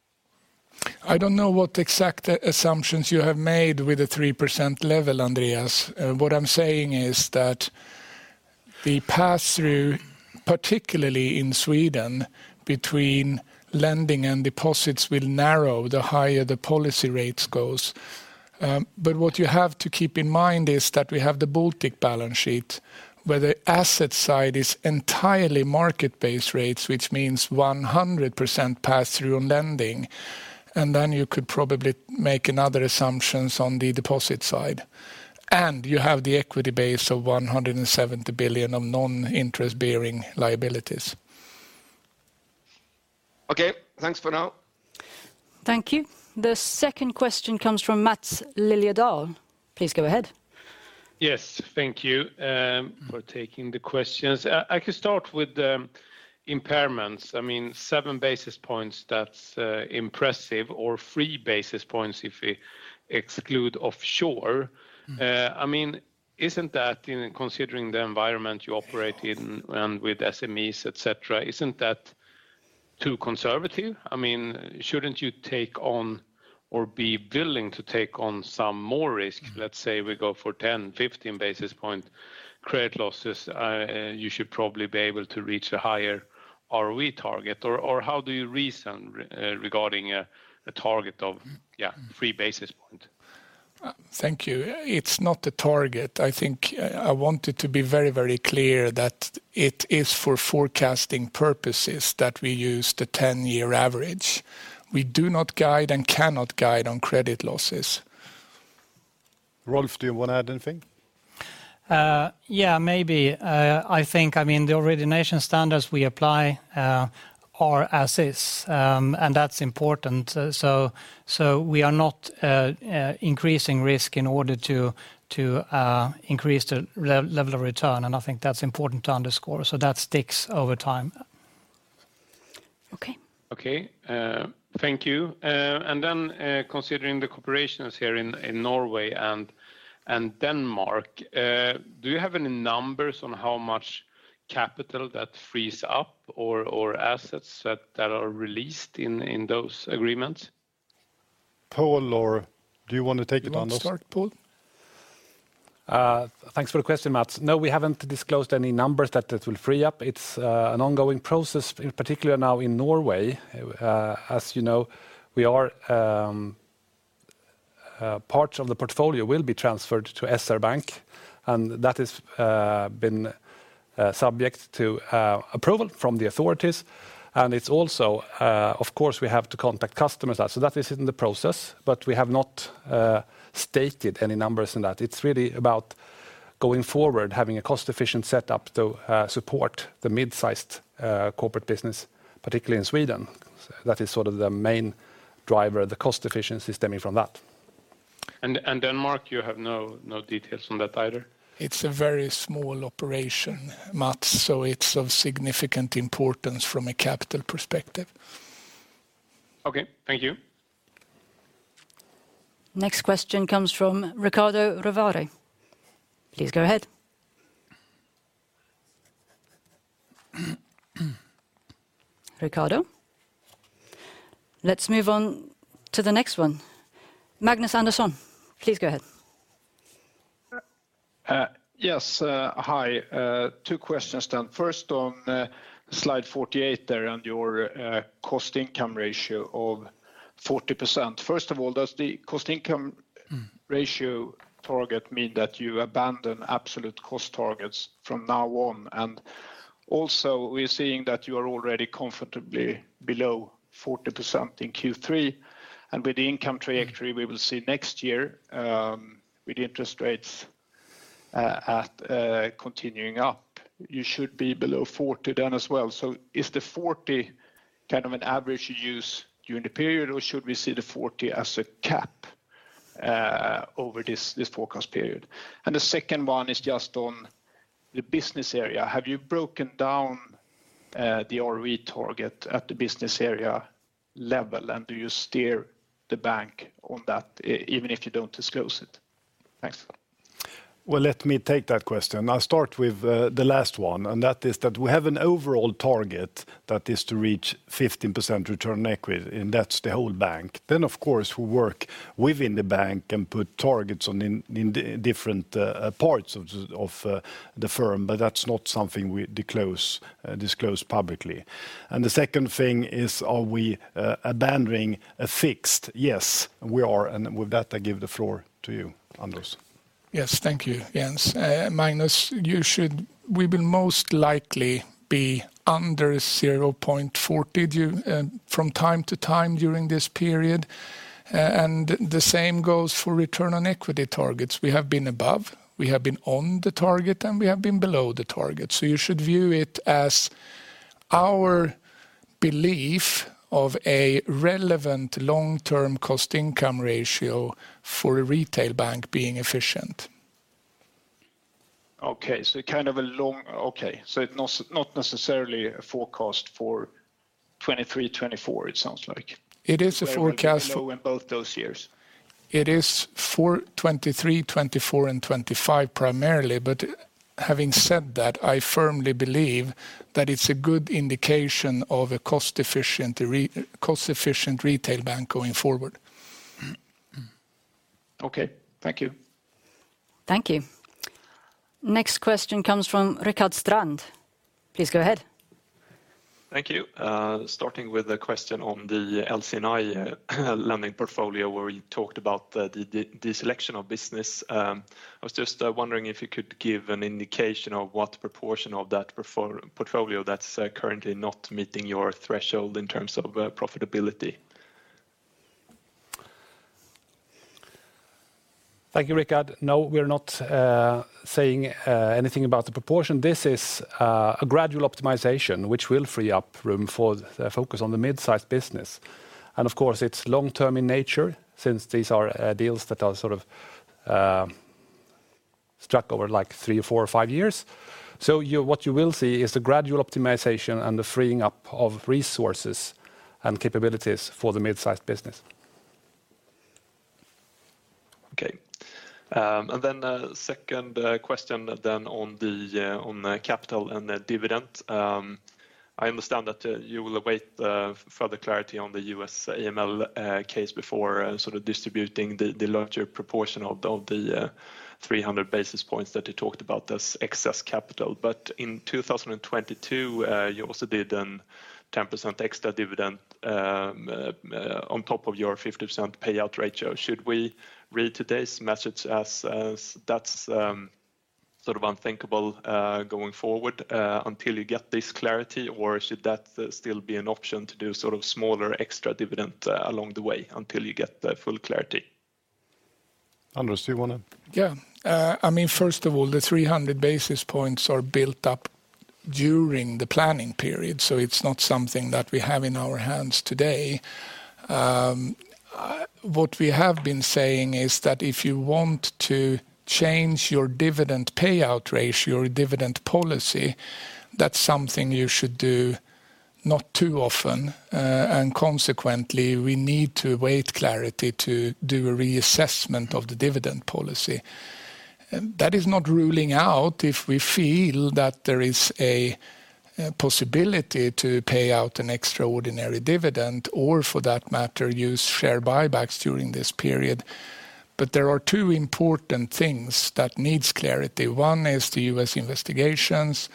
I don't know what exact assumptions you have made with the 3% level, Andreas. What I'm saying is that the pass-through, particularly in Sweden, between lending and deposits will narrow the higher the policy rates goes. What you have to keep in mind is that we have the Baltic balance sheet, where the asset side is entirely market-based rates, which means 100% pass-through on lending, and then you could probably make another assumptions on the deposit side. You have the equity base of 170 billion of non-interest-bearing liabilities. Okay. Thanks for now. Thank you. The second question comes from Mats Lilliedahl. Please go ahead. Thank you for taking the questions. I could start with impairments. I mean, 7 basis points, that's impressive or 3 basis points if we exclude offshore. I mean, isn't that in considering the environment you operate in and with SMEs, et cetera, isn't that too conservative? I mean, shouldn't you take on or be willing to take on some more risk? Let's say we go for 10, 15 basis point credit losses, you should probably be able to reach a higher ROE target. How do you reason regarding a target of, yeah, 3 basis point? Thank you. It's not the target. I think I wanted to be very, very clear that it is for forecasting purposes that we use the 10-year average. We do not guide and cannot guide on credit losses. Rolf, do you wanna add anything? Yeah, maybe. I think, I mean, the origination standards we apply are as is. That's important. We are not increasing risk in order to increase the level of return, and I think that's important to underscore. That sticks over time. Okay. Okay. Thank you. Considering the corporations here in Norway and Denmark, do you have any numbers on how much capital that frees up or assets that are released in those agreements? Pål, or do you want to take it, Anders? You want to start, Pål? Thanks for the question, Mats. We haven't disclosed any numbers that will free up. It's an ongoing process in particular now in Norway. As you know, we are part of the portfolio will be transferred to SR Bank, and that is been subject to approval from the authorities. It's also, of course, we have to contact customers. That is in the process, but we have not stated any numbers in that. It's really about going forward, having a cost-efficient set up to support the mid-sized corporate business, particularly in Sweden. That is sort of the main driver, the cost efficiency stemming from that. Denmark, you have no details on that either? It's a very small operation, Mats, so it's of significant importance from a capital perspective. Okay, thank you. Next question comes from Riccardo Rovere. Please go ahead. Riccardo Rovere? Let's move on to the next one. Magnus Andersson, please go ahead. Yes, hi. Two questions then. First on slide 48 there on your cost-to-income ratio of 40%. First of all, does the cost-to-income ratio target mean that you abandon absolute cost targets from now on? Also, we're seeing that you are already comfortably below 40% in Q3. With the income trajectory we will see next year, with interest rates continuing up, you should be below 40 then as well. Is the 40 kind of an average you use during the period, or should we see the 40 as a cap over this forecast period? The second one is just on the business area. Have you broken down the ROE target at the business area level, and do you steer the bank on that even if you don't disclose it? Thanks. Let me take that question. I'll start with the last one, and that is that we have an overall target that is to reach 15% return on equity, and that's the whole bank. Of course, we work within the bank and put targets on in different parts of the firm, but that's not something we disclose publicly. The second thing is, are we abandoning a fixed? Yes, we are. With that, I give the floor to you, Anders. Yes. Thank you, Jens. Magnus, We will most likely be under 0.40% due from time to time during this period. The same goes for return on equity targets. We have been above, we have been on the target, and we have been below the target. You should view it as our belief of a relevant long-term cost-to-income ratio for a retail bank being efficient. Not necessarily a forecast for 2023, 2024, it sounds like. It is a forecast. In both those years. It is for 2023, 2024, and 2025 primarily. Having said that, I firmly believe that it's a good indication of a cost-efficient retail bank going forward. Okay. Thank you. Thank you. Next question comes from Rickard Strand. Please go ahead. Thank you. Starting with a question on the LC&I lending portfolio, where you talked about the selection of business. I was just wondering if you could give an indication of what proportion of that portfolio that's currently not meeting your threshold in terms of profitability? Thank you, Rickard. No, we're not saying anything about the proportion. This is a gradual optimization which will free up room for the focus on the mid-sized business. Of course, it's long-term in nature, since these are deals that are sort of struck over like three or four or five years. What you will see is the gradual optimization and the freeing up of resources and capabilities for the mid-sized business. A second question on the capital and the dividend. I understand that you will await the further clarity on the U.S. AML case before sort of distributing the larger proportion of the 300 basis points that you talked about as excess capital. In 2022, you also did an 10% extra dividend on top of your 50% payout ratio. Should we read today's message as that's sort of unthinkable going forward until you get this clarity? Should that still be an option to do sort of smaller extra dividend along the way until you get the full clarity? Anders, do you. Yeah. I mean, first of all, the 300 basis points are built up during the planning period, so it's not something that we have in our hands today. What we have been saying is that if you want to change your dividend payout ratio or dividend policy, that's something you should do not too often. Consequently, we need to await clarity to do a reassessment of the dividend policy. That is not ruling out if we feel that there is a possibility to pay out an extraordinary dividend or, for that matter, use share buybacks during this period. There are two important things that needs clarity. One is the U.S. investigations.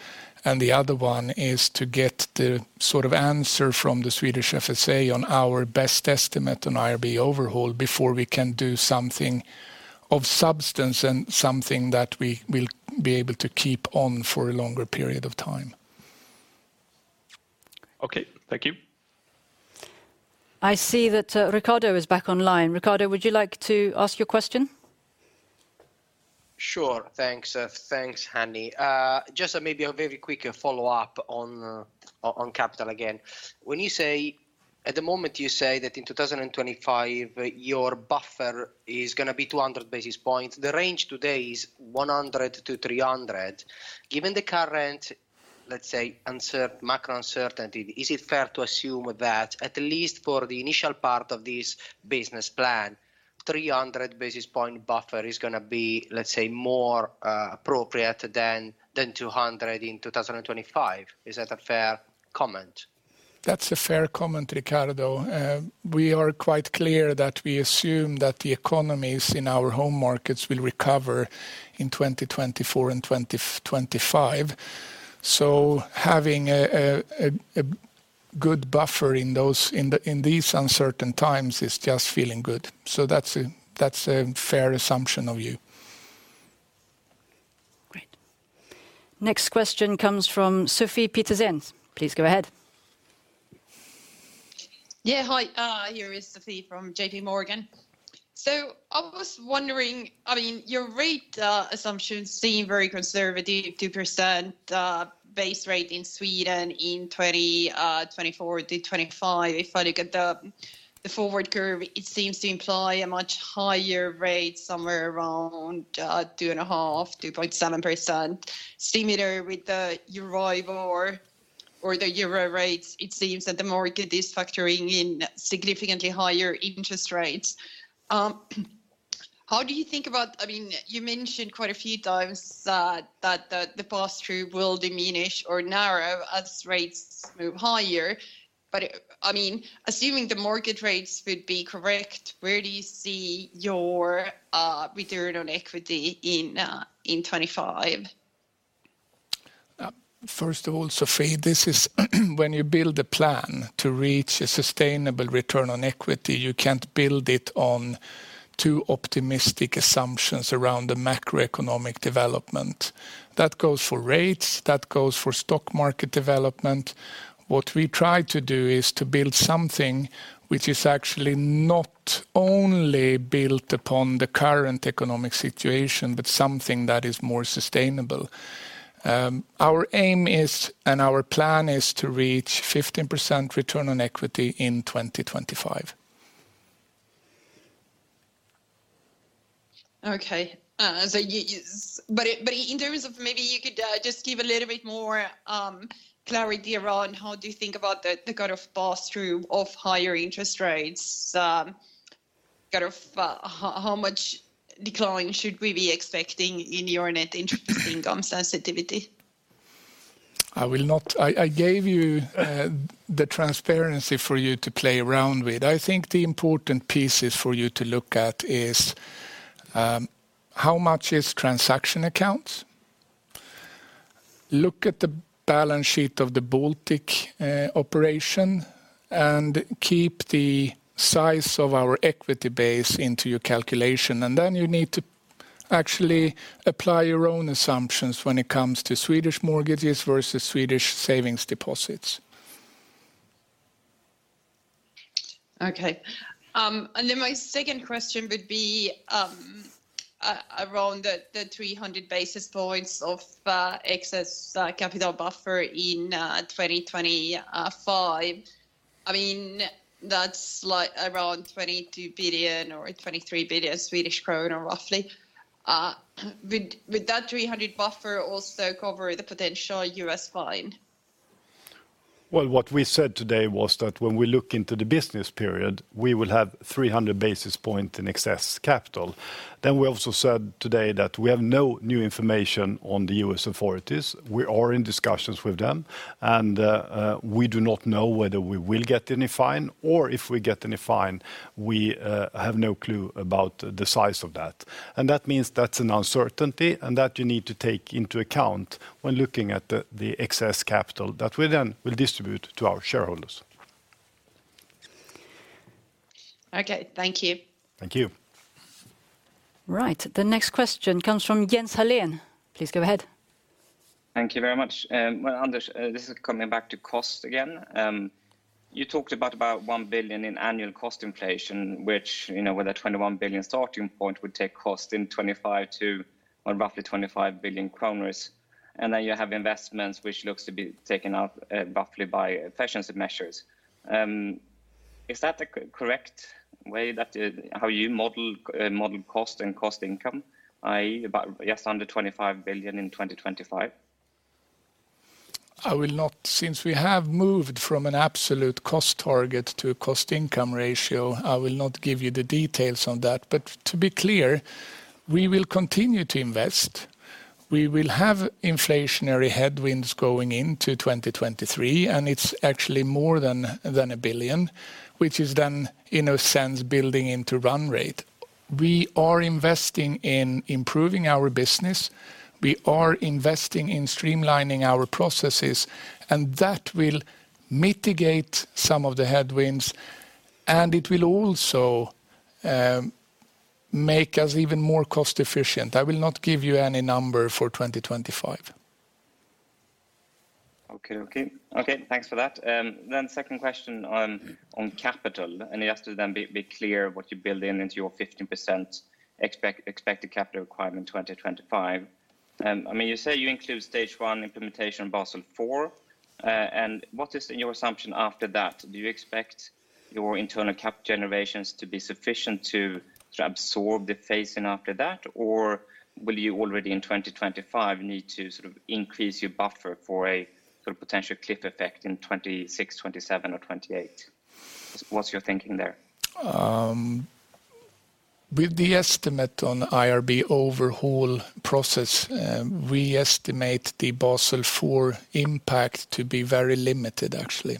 The other one is to get the sort of answer from the Swedish FSA on our best estimate on IRB overhaul before we can do something of substance and something that we will be able to keep on for a longer period of time. Okay. Thank you. I see that, Ricardo is back online. Ricardo, would you like to ask your question? Sure. Thanks, thanks, Hanni. Just maybe a very quick follow-up on capital again. At the moment you say that in 2025 your buffer is gonna be 200 basis points. The range today is 100 to 300. Given the current, let's say, macro uncertainty, is it fair to assume that at least for the initial part of this business plan, 300 basis point buffer is gonna be, let's say, more appropriate than 200 in 2025? Is that a fair comment? That's a fair comment, Riccardo. We are quite clear that we assume that the economies in our home markets will recover in 2024 and 2025. Having a good buffer in those, in the, in these uncertain times is just feeling good. That's a fair assumption of you. Great. Next question comes from Sofie Peterzens. Please go ahead. Yeah. Hi, here is Sofie from JP Morgan. I was wondering, I mean, your rate assumptions seem very conservative, 2% base rate in Sweden in 2024 to 2025. If I look at the forward curve, it seems to imply a much higher rate, somewhere around 2.5%-2.7%. Similar with the Euribor or the Euro rates, it seems that the market is factoring in significantly higher interest rates. How do you think about... I mean, you mentioned quite a few times that the pass-through will diminish or narrow as rates move higher. I mean, assuming the market rates would be correct, where do you see your return on equity in 2025? First of all, Sofie, this is when you build a plan to reach a sustainable return on equity, you can't build it on too optimistic assumptions around the macroeconomic development. That goes for rates, that goes for stock market development. What we try to do is to build something which is actually not only built upon the current economic situation, but something that is more sustainable. Our aim is, and our plan is to reach 15% return on equity in 2025. In terms of maybe you could just give a little bit more clarity around how do you think about the kind of pass-through of higher interest rates, kind of, how much decline should we be expecting in your net interest income sensitivity? I gave you the transparency for you to play around with. I think the important pieces for you to look at is how much is transaction accounts. Look at the balance sheet of the Baltic operation and keep the size of our equity base into your calculation. Then you need to actually apply your own assumptions when it comes to Swedish mortgages versus Swedish savings deposits. Okay. my second question would be, around the 300 basis points of excess capital buffer in 2025. I mean, that's like around 22 billion or 23 billion Swedish kronor roughly. would that 300 buffer also cover the potential U.S. fine? What we said today was that when we look into the business period, we will have 300 basis point in excess capital. We also said today that we have no new information on the U.S. authorities. We are in discussions with them, and we do not know whether we will get any fine or if we get any fine, we have no clue about the size of that. That means that's an uncertainty, and that you need to take into account when looking at the excess capital that we then will distribute to our shareholders. Okay, thank you. Thank you. Right. The next question comes from Jens Henriksson. Please go ahead. Thank you very much. Well, Anders, this is coming back to cost again. You talked about 1 billion in annual cost inflation, which, you know, with a 21 billion starting point would take cost in 2025 to or roughly 25 billion kronor. You have investments which looks to be taken up roughly by efficiency measures. Is that the correct way that, how you model model cost and cost income, i.e., about just under 25 billion in 2025? I will not. Since we have moved from an absolute cost target to a cost-to-income ratio, I will not give you the details on that. To be clear, we will continue to invest. We will have inflationary headwinds going into 2023, and it's actually more than 1 billion, which is then in a sense building into run rate. We are investing in improving our business. We are investing in streamlining our processes, and that will mitigate some of the headwinds, and it will also make us even more cost efficient. I will not give you any number for 2025. Okay. Thanks for that. Second question on capital, and just to then be clear what you build into your 15% expected capital requirement in 2025. I mean, you say you include stage one implementation Basel IV. What is your assumption after that? Do you expect your internal cap generations to be sufficient to absorb the phase in after that? Will you already in 2025 need to sort of increase your buffer for a sort of potential cliff effect in 2026, 2027 or 2028? What's your thinking there? With the estimate on IRB overhaul process, we estimate the Basel IV impact to be very limited actually.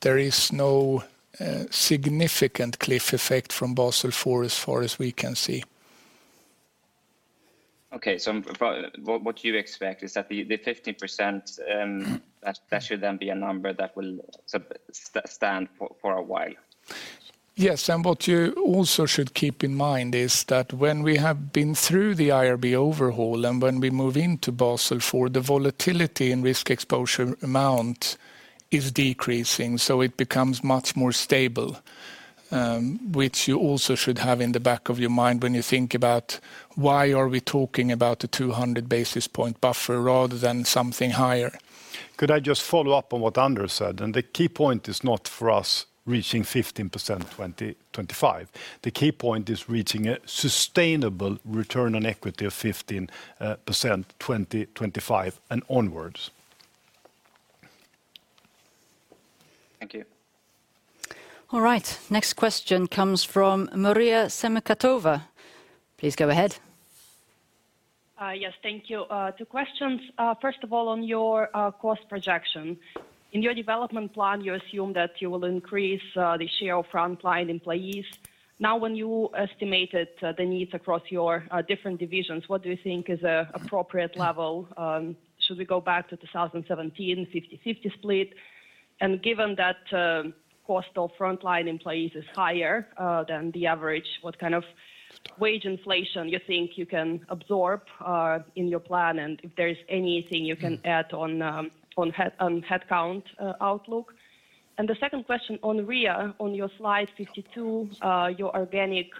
There is no significant cliff effect from Basel IV as far as we can see. What you expect is that the 15%, that should then be a number that will stand for a while. Yes. What you also should keep in mind is that when we have been through the IRB overhaul and when we move into Basel IV, the volatility and Risk Exposure Amount is decreasing, so it becomes much more stable, which you also should have in the back of your mind when you think about why are we talking about the 200 basis point buffer rather than something higher. Could I just follow up on what Anders said? The key point is not for us reaching 15% 2025. The key point is reaching a sustainable return on equity of 15% 2025 and onwards. Thank you. All right. Next question comes from Maria Semikhatova. Please go ahead. Yes, thank you. 2 questions. First of all, on your cost projection. In your development plan, you assume that you will increase the share of frontline employees. Now, when you estimated the needs across your different divisions, what do you think is a appropriate level? Should we go back to 2017 50/50 split? Given that cost of frontline employees is higher than the average, what kind of wage inflation you think you can absorb in your plan? If there is anything you can add on headcount outlook. The second question on REA, on your slide 52, your organic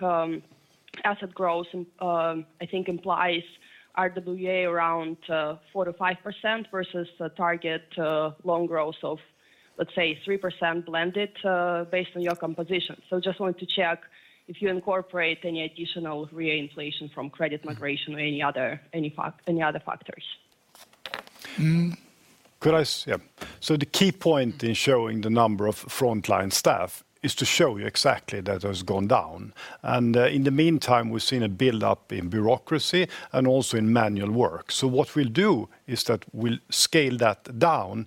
asset growth, I think implies RWA around 4%-5% versus the target loan growth of, let's say, 3% blended, based on your composition. Just want to check if you incorporate any additional REA inflation from credit migration or any other, any other factors. Could I. Yeah. The key point in showing the number of frontline staff is to show you exactly that has gone down. In the meantime, we've seen a build up in bureaucracy and also in manual work. What we'll do is that we'll scale that down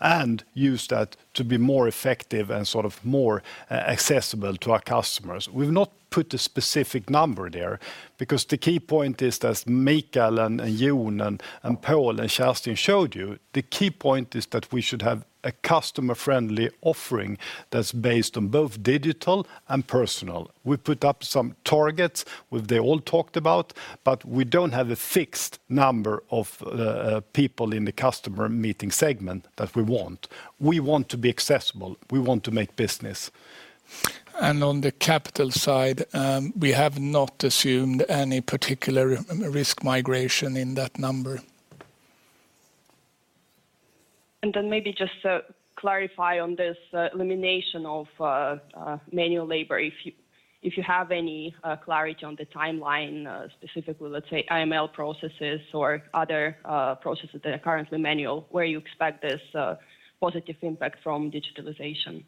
and use that to be more effective and sort of more accessible to our customers. We've not put a specific number there because the key point is, as Mikael and Jon and Pål and Kerstin showed you, the key point is that we should have a customer-friendly offering that's based on both digital and personal. We put up some targets which they all talked about, we don't have a fixed number of people in the customer meeting segment that we want. We want to be accessible. We want to make business. On the capital side, we have not assumed any particular risk migration in that number. Maybe just to clarify on this, elimination of, manual labor, if you If you have any clarity on the timeline, specifically, let's say, AML processes or other processes that are currently manual, where you expect this positive impact from digitalization.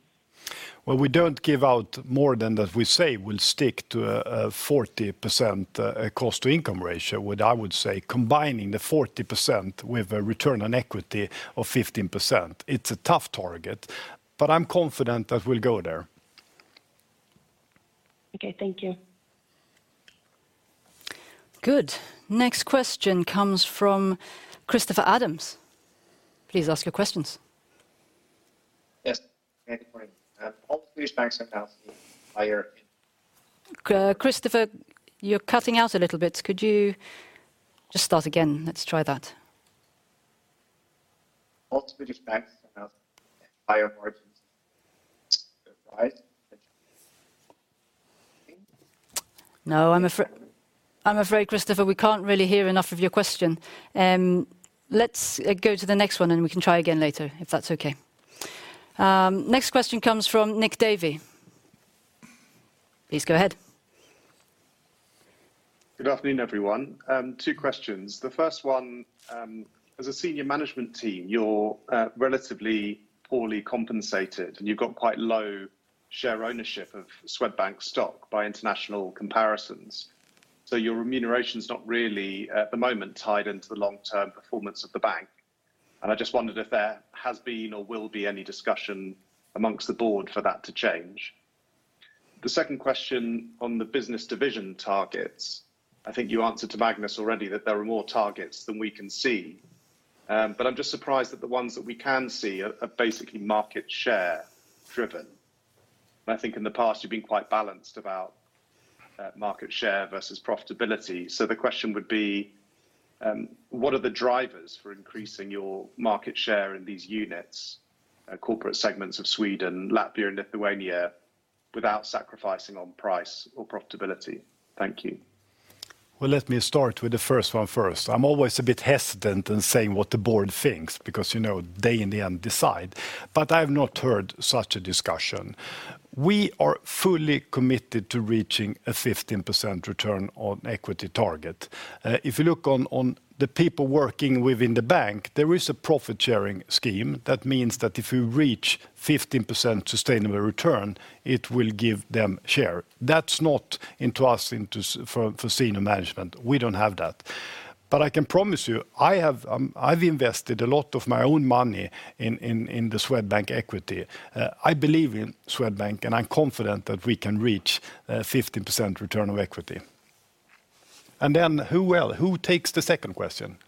Well, we don't give out more than that. We say we'll stick to a 40% cost-to-income ratio. What I would say combining the 40% with a return on equity of 15%, it's a tough target, but I'm confident that we'll go there. Okay, thank you. Good. Next question comes from Christopher Adams. Please ask your questions. Yes. Good morning. All Swedish banks have now. Christopher, you're cutting out a little bit. Could you just start again? Let's try that. All Swedish banks have now higher margins. No, I'm afraid, Christopher, we can't really hear enough of your question. Let's go to the next one, and we can try again later, if that's okay. Next question comes from Nicolas Davey. Please go ahead. Good afternoon, everyone. Two questions. The first one, as a senior management team, you're relatively poorly compensated, and you've got quite low share ownership of Swedbank stock by international comparisons. Your remuneration's not really, at the moment, tied into the long-term performance of the bank, and I just wondered if there has been or will be any discussion amongst the board for that to change. The second question on the business division targets. I think you answered to Magnus already that there are more targets than we can see. I'm just surprised that the ones that we can see are basically market share driven. I think in the past you've been quite balanced about market share versus profitability. The question would be, what are the drivers for increasing your market share in these units, corporate segments of Sweden, Latvia and Lithuania, without sacrificing on price or profitability? Thank you. Let me start with the first one first. I'm always a bit hesitant in saying what the board thinks because, you know, they in the end decide. I've not heard such a discussion. We are fully committed to reaching a 15% return on equity target. If you look on the people working within the bank, there is a profit-sharing scheme. That means that if we reach 15% sustainable return, it will give them share. That's not into us for senior management. We don't have that. I can promise you, I have invested a lot of my own money in the Swedbank equity. I believe in Swedbank. I'm confident that we can reach 15% return of equity. Who will? Who takes the second question?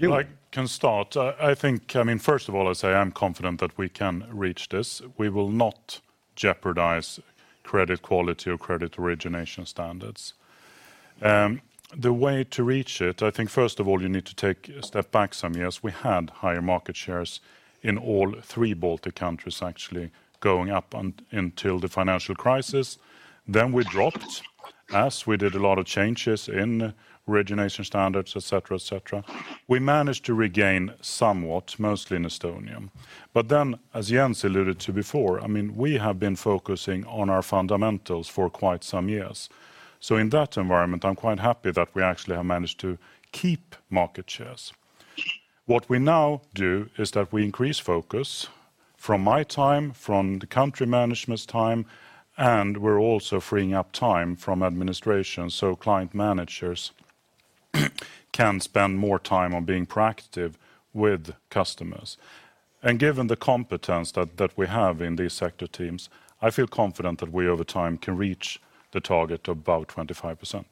I can start. I think, first of all, as I say, I'm confident that we can reach this. We will not jeopardize credit quality or credit origination standards. The way to reach it, I think first of all you need to take a step back some years. We had higher market shares in all three Baltic countries actually going up until the financial crisis. We dropped as we did a lot of changes in origination standards, et cetera, et cetera. We managed to regain somewhat, mostly in Estonia. As Jens alluded to before, I mean, we have been focusing on our fundamentals for quite some years. In that environment, I'm quite happy that we actually have managed to keep market shares. What we now do is that we increase focus from my time, from the country management's time, and we're also freeing up time from administration, so client managers can spend more time on being proactive with customers. Given the competence that we have in these sector teams, I feel confident that we over time can reach the target of about 25%.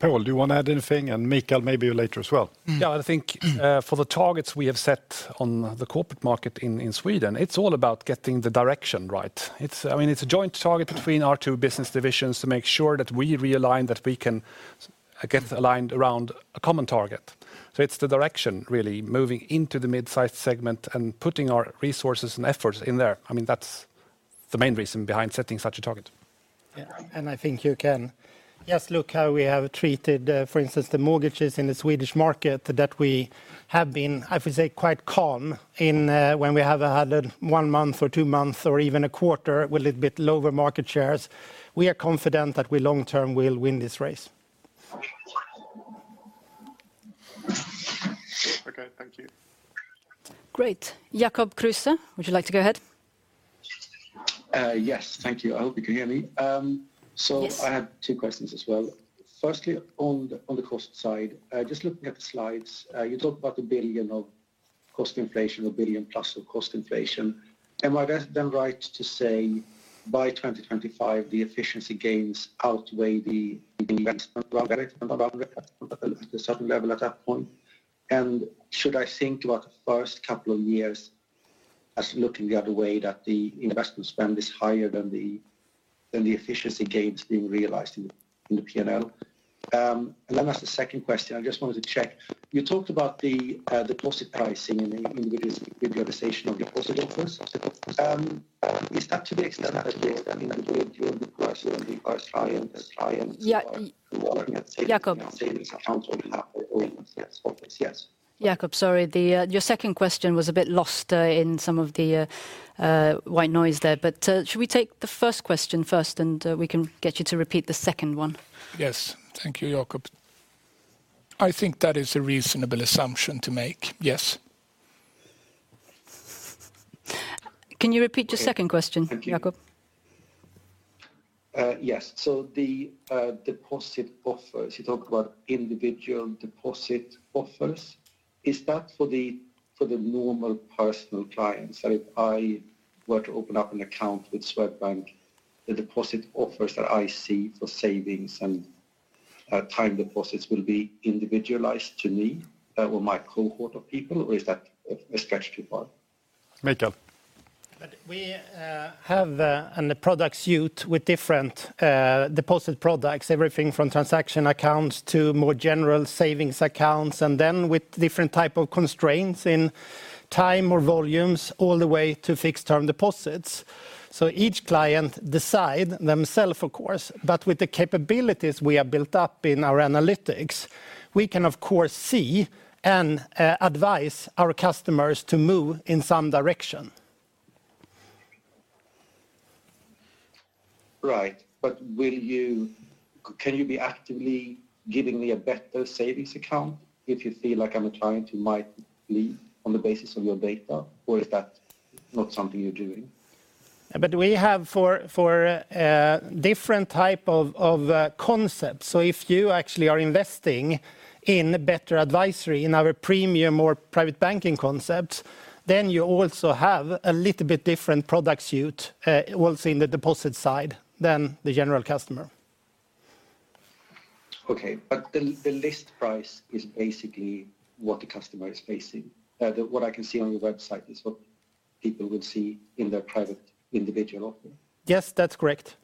Pål, do you wanna add anything? Mikael, maybe you later as well. Yeah, I think, for the targets we have set on the corporate market in Sweden, it's all about getting the direction right. I mean, it's a joint target between our two business divisions to make sure that we realign, that we can get aligned around a common target. It's the direction really moving into the mid-size segment and putting our resources and efforts in there. I mean, that's the main reason behind setting such a target. I think you can just look how we have treated, for instance, the mortgages in the Swedish market that we have been, I would say, quite calm in, when we have had one month or two months or even a quarter with a bit lower market shares. We are confident that we long term will win this race. Okay. Thank you. Great. Jakob Kruse, would you like to go ahead? Yes. Thank you. I hope you can hear me. Yes. I had two questions as well. Firstly, on the, on the cost side, just looking at the slides, you talked about 1 billion of cost inflation or 1 billion plus of cost inflation. Am I then right to say by 2025, the efficiency gains outweigh the investment at a certain level at that point? Should I think about the first couple of years as looking the other way that the investment spend is higher than the, than the efficiency gains being realized in the, in the P&L? Then as the second question, I just wanted to check. You talked about the deposit pricing in the digitalization of deposit. Is that to the extent clients who are- Jakob. Yes. Okay. Yes. Jakob, sorry. The, your second question was a bit lost, in some of the, white noise there. Should we take the first question first, and, we can get you to repeat the second one? Yes. Thank you, Jakob. I think that is a reasonable assumption to make, yes. Can you repeat your second question? Okay. Thank you.... Jakob? Yes. The deposit offers. You talked about individual deposit offers. Is that for the normal personal clients? If I were to open up an account with Swedbank, the deposit offers that I see for savings and time deposits will be individualized to me or my cohort of people, or is that a stretch too far? Mikael. We have a product suite with different deposit products, everything from transaction accounts to more general savings accounts, and then with different type of constraints in time or volumes all the way to fixed term deposits. Each client decide themself, of course, but with the capabilities we have built up in our analytics, we can of course see and advise our customers to move in some direction. Right. Can you be actively giving me a better savings account if you feel like I'm a client who might leave on the basis of your data, or is that not something you're doing? We have for different type of concepts. If you actually are investing in better advisory in our premium or private banking concepts, you also have a little bit different product suite also in the deposit side than the general customer. Okay. The list price is basically what the customer is facing. What I can see on your website is what people would see in their private individual offer? Yes, that's correct.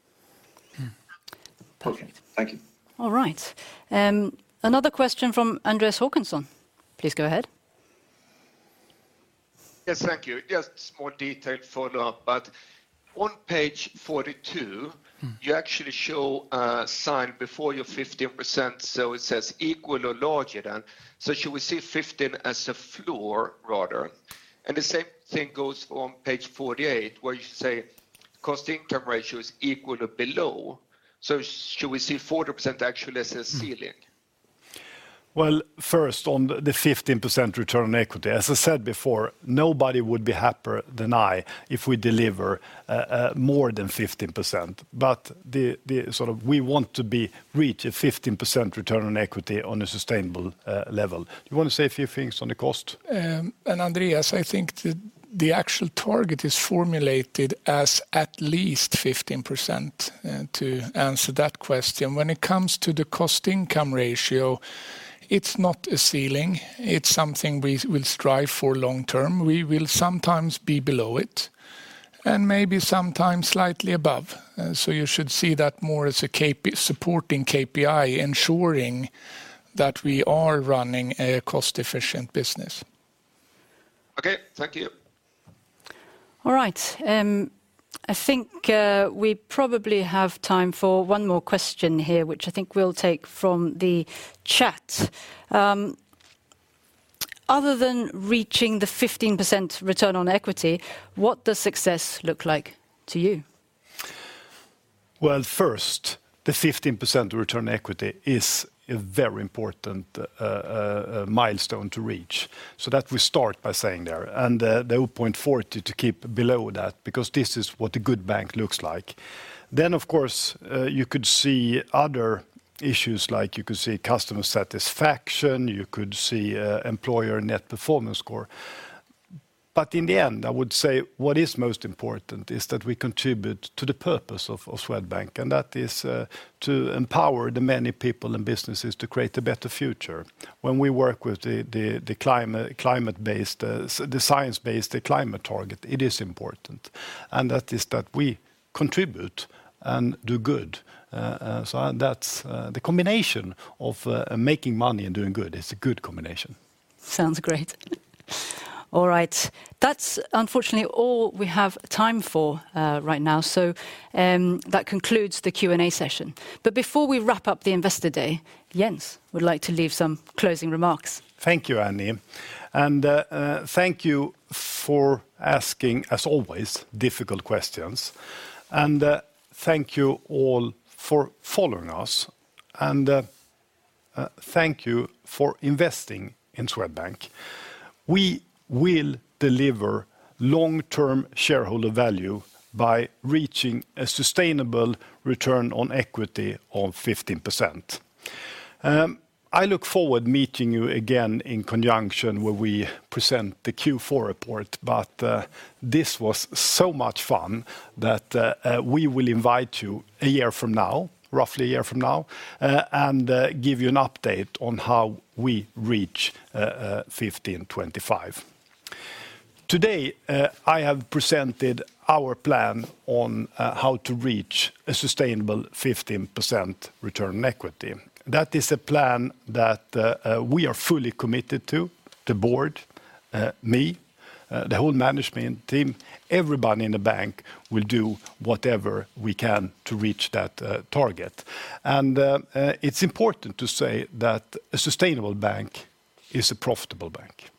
Perfect. Thank you. All right. Another question from Andreas Håkansson. Please go ahead. Yes, thank you. Just more detailed follow-up, but on page 42- Mm... you actually show a sign before your 15%, so it says equal or larger than. Should we see 15% as a floor rather? The same thing goes on page 48, where you say cost-to-income ratio is equal to below. Should we see 40% actually as a ceiling? Well, first, on the 15% return on equity, as I said before, nobody would be happier than I if we deliver more than 15%, but the sort of we want to be reach a 15% return on equity on a sustainable level. You wanna say a few things on the cost? Andreas, I think the actual target is formulated as at least 15%, to answer that question. When it comes to the cost-to-income ratio, it's not a ceiling, it's something we will strive for long term. We will sometimes be below it and maybe sometimes slightly above. You should see that more as a supporting KPI ensuring that we are running a cost-efficient business. Okay. Thank you. All right. I think we probably have time for one more question here, which I think we'll take from the chat. Other than reaching the 15% return on equity, what does success look like to you? First, the 15% return on equity is a very important milestone to reach. That we start by saying there, and the 0.40 to keep below that because this is what a good bank looks like. Of course, you could see other issues, like you could see customer satisfaction, you could see employer net performance score. In the end, I would say what is most important is that we contribute to the purpose of Swedbank, and that is to empower the many people and businesses to create a better future. When we work with the climate-based, the Science Based climate target, it is important, and that is that we contribute and do good. That's the combination of making money and doing good is a good combination. Sounds great. All right. That's unfortunately all we have time for, right now, that concludes the Q&A session. Before we wrap up the Investor Day, Jens would like to leave some closing remarks. Thank you, Annie. Thank you for asking, as always, difficult questions. Thank you all for following us. Thank you for investing in Swedbank. We will deliver long-term shareholder value by reaching a sustainable return on equity of 15%. I look forward meeting you again in conjunction when we present the Q4 report, this was so much fun that we will invite you a year from now, roughly a year from now, and give you an update on how we reach 15/25. Today, I have presented our plan on how to reach a sustainable 15% return on equity. That is a plan that we are fully committed to, the board, me, the whole management team, everybody in the bank will do whatever we can to reach that target. It's important to say that a sustainable bank is a profitable bank. Good.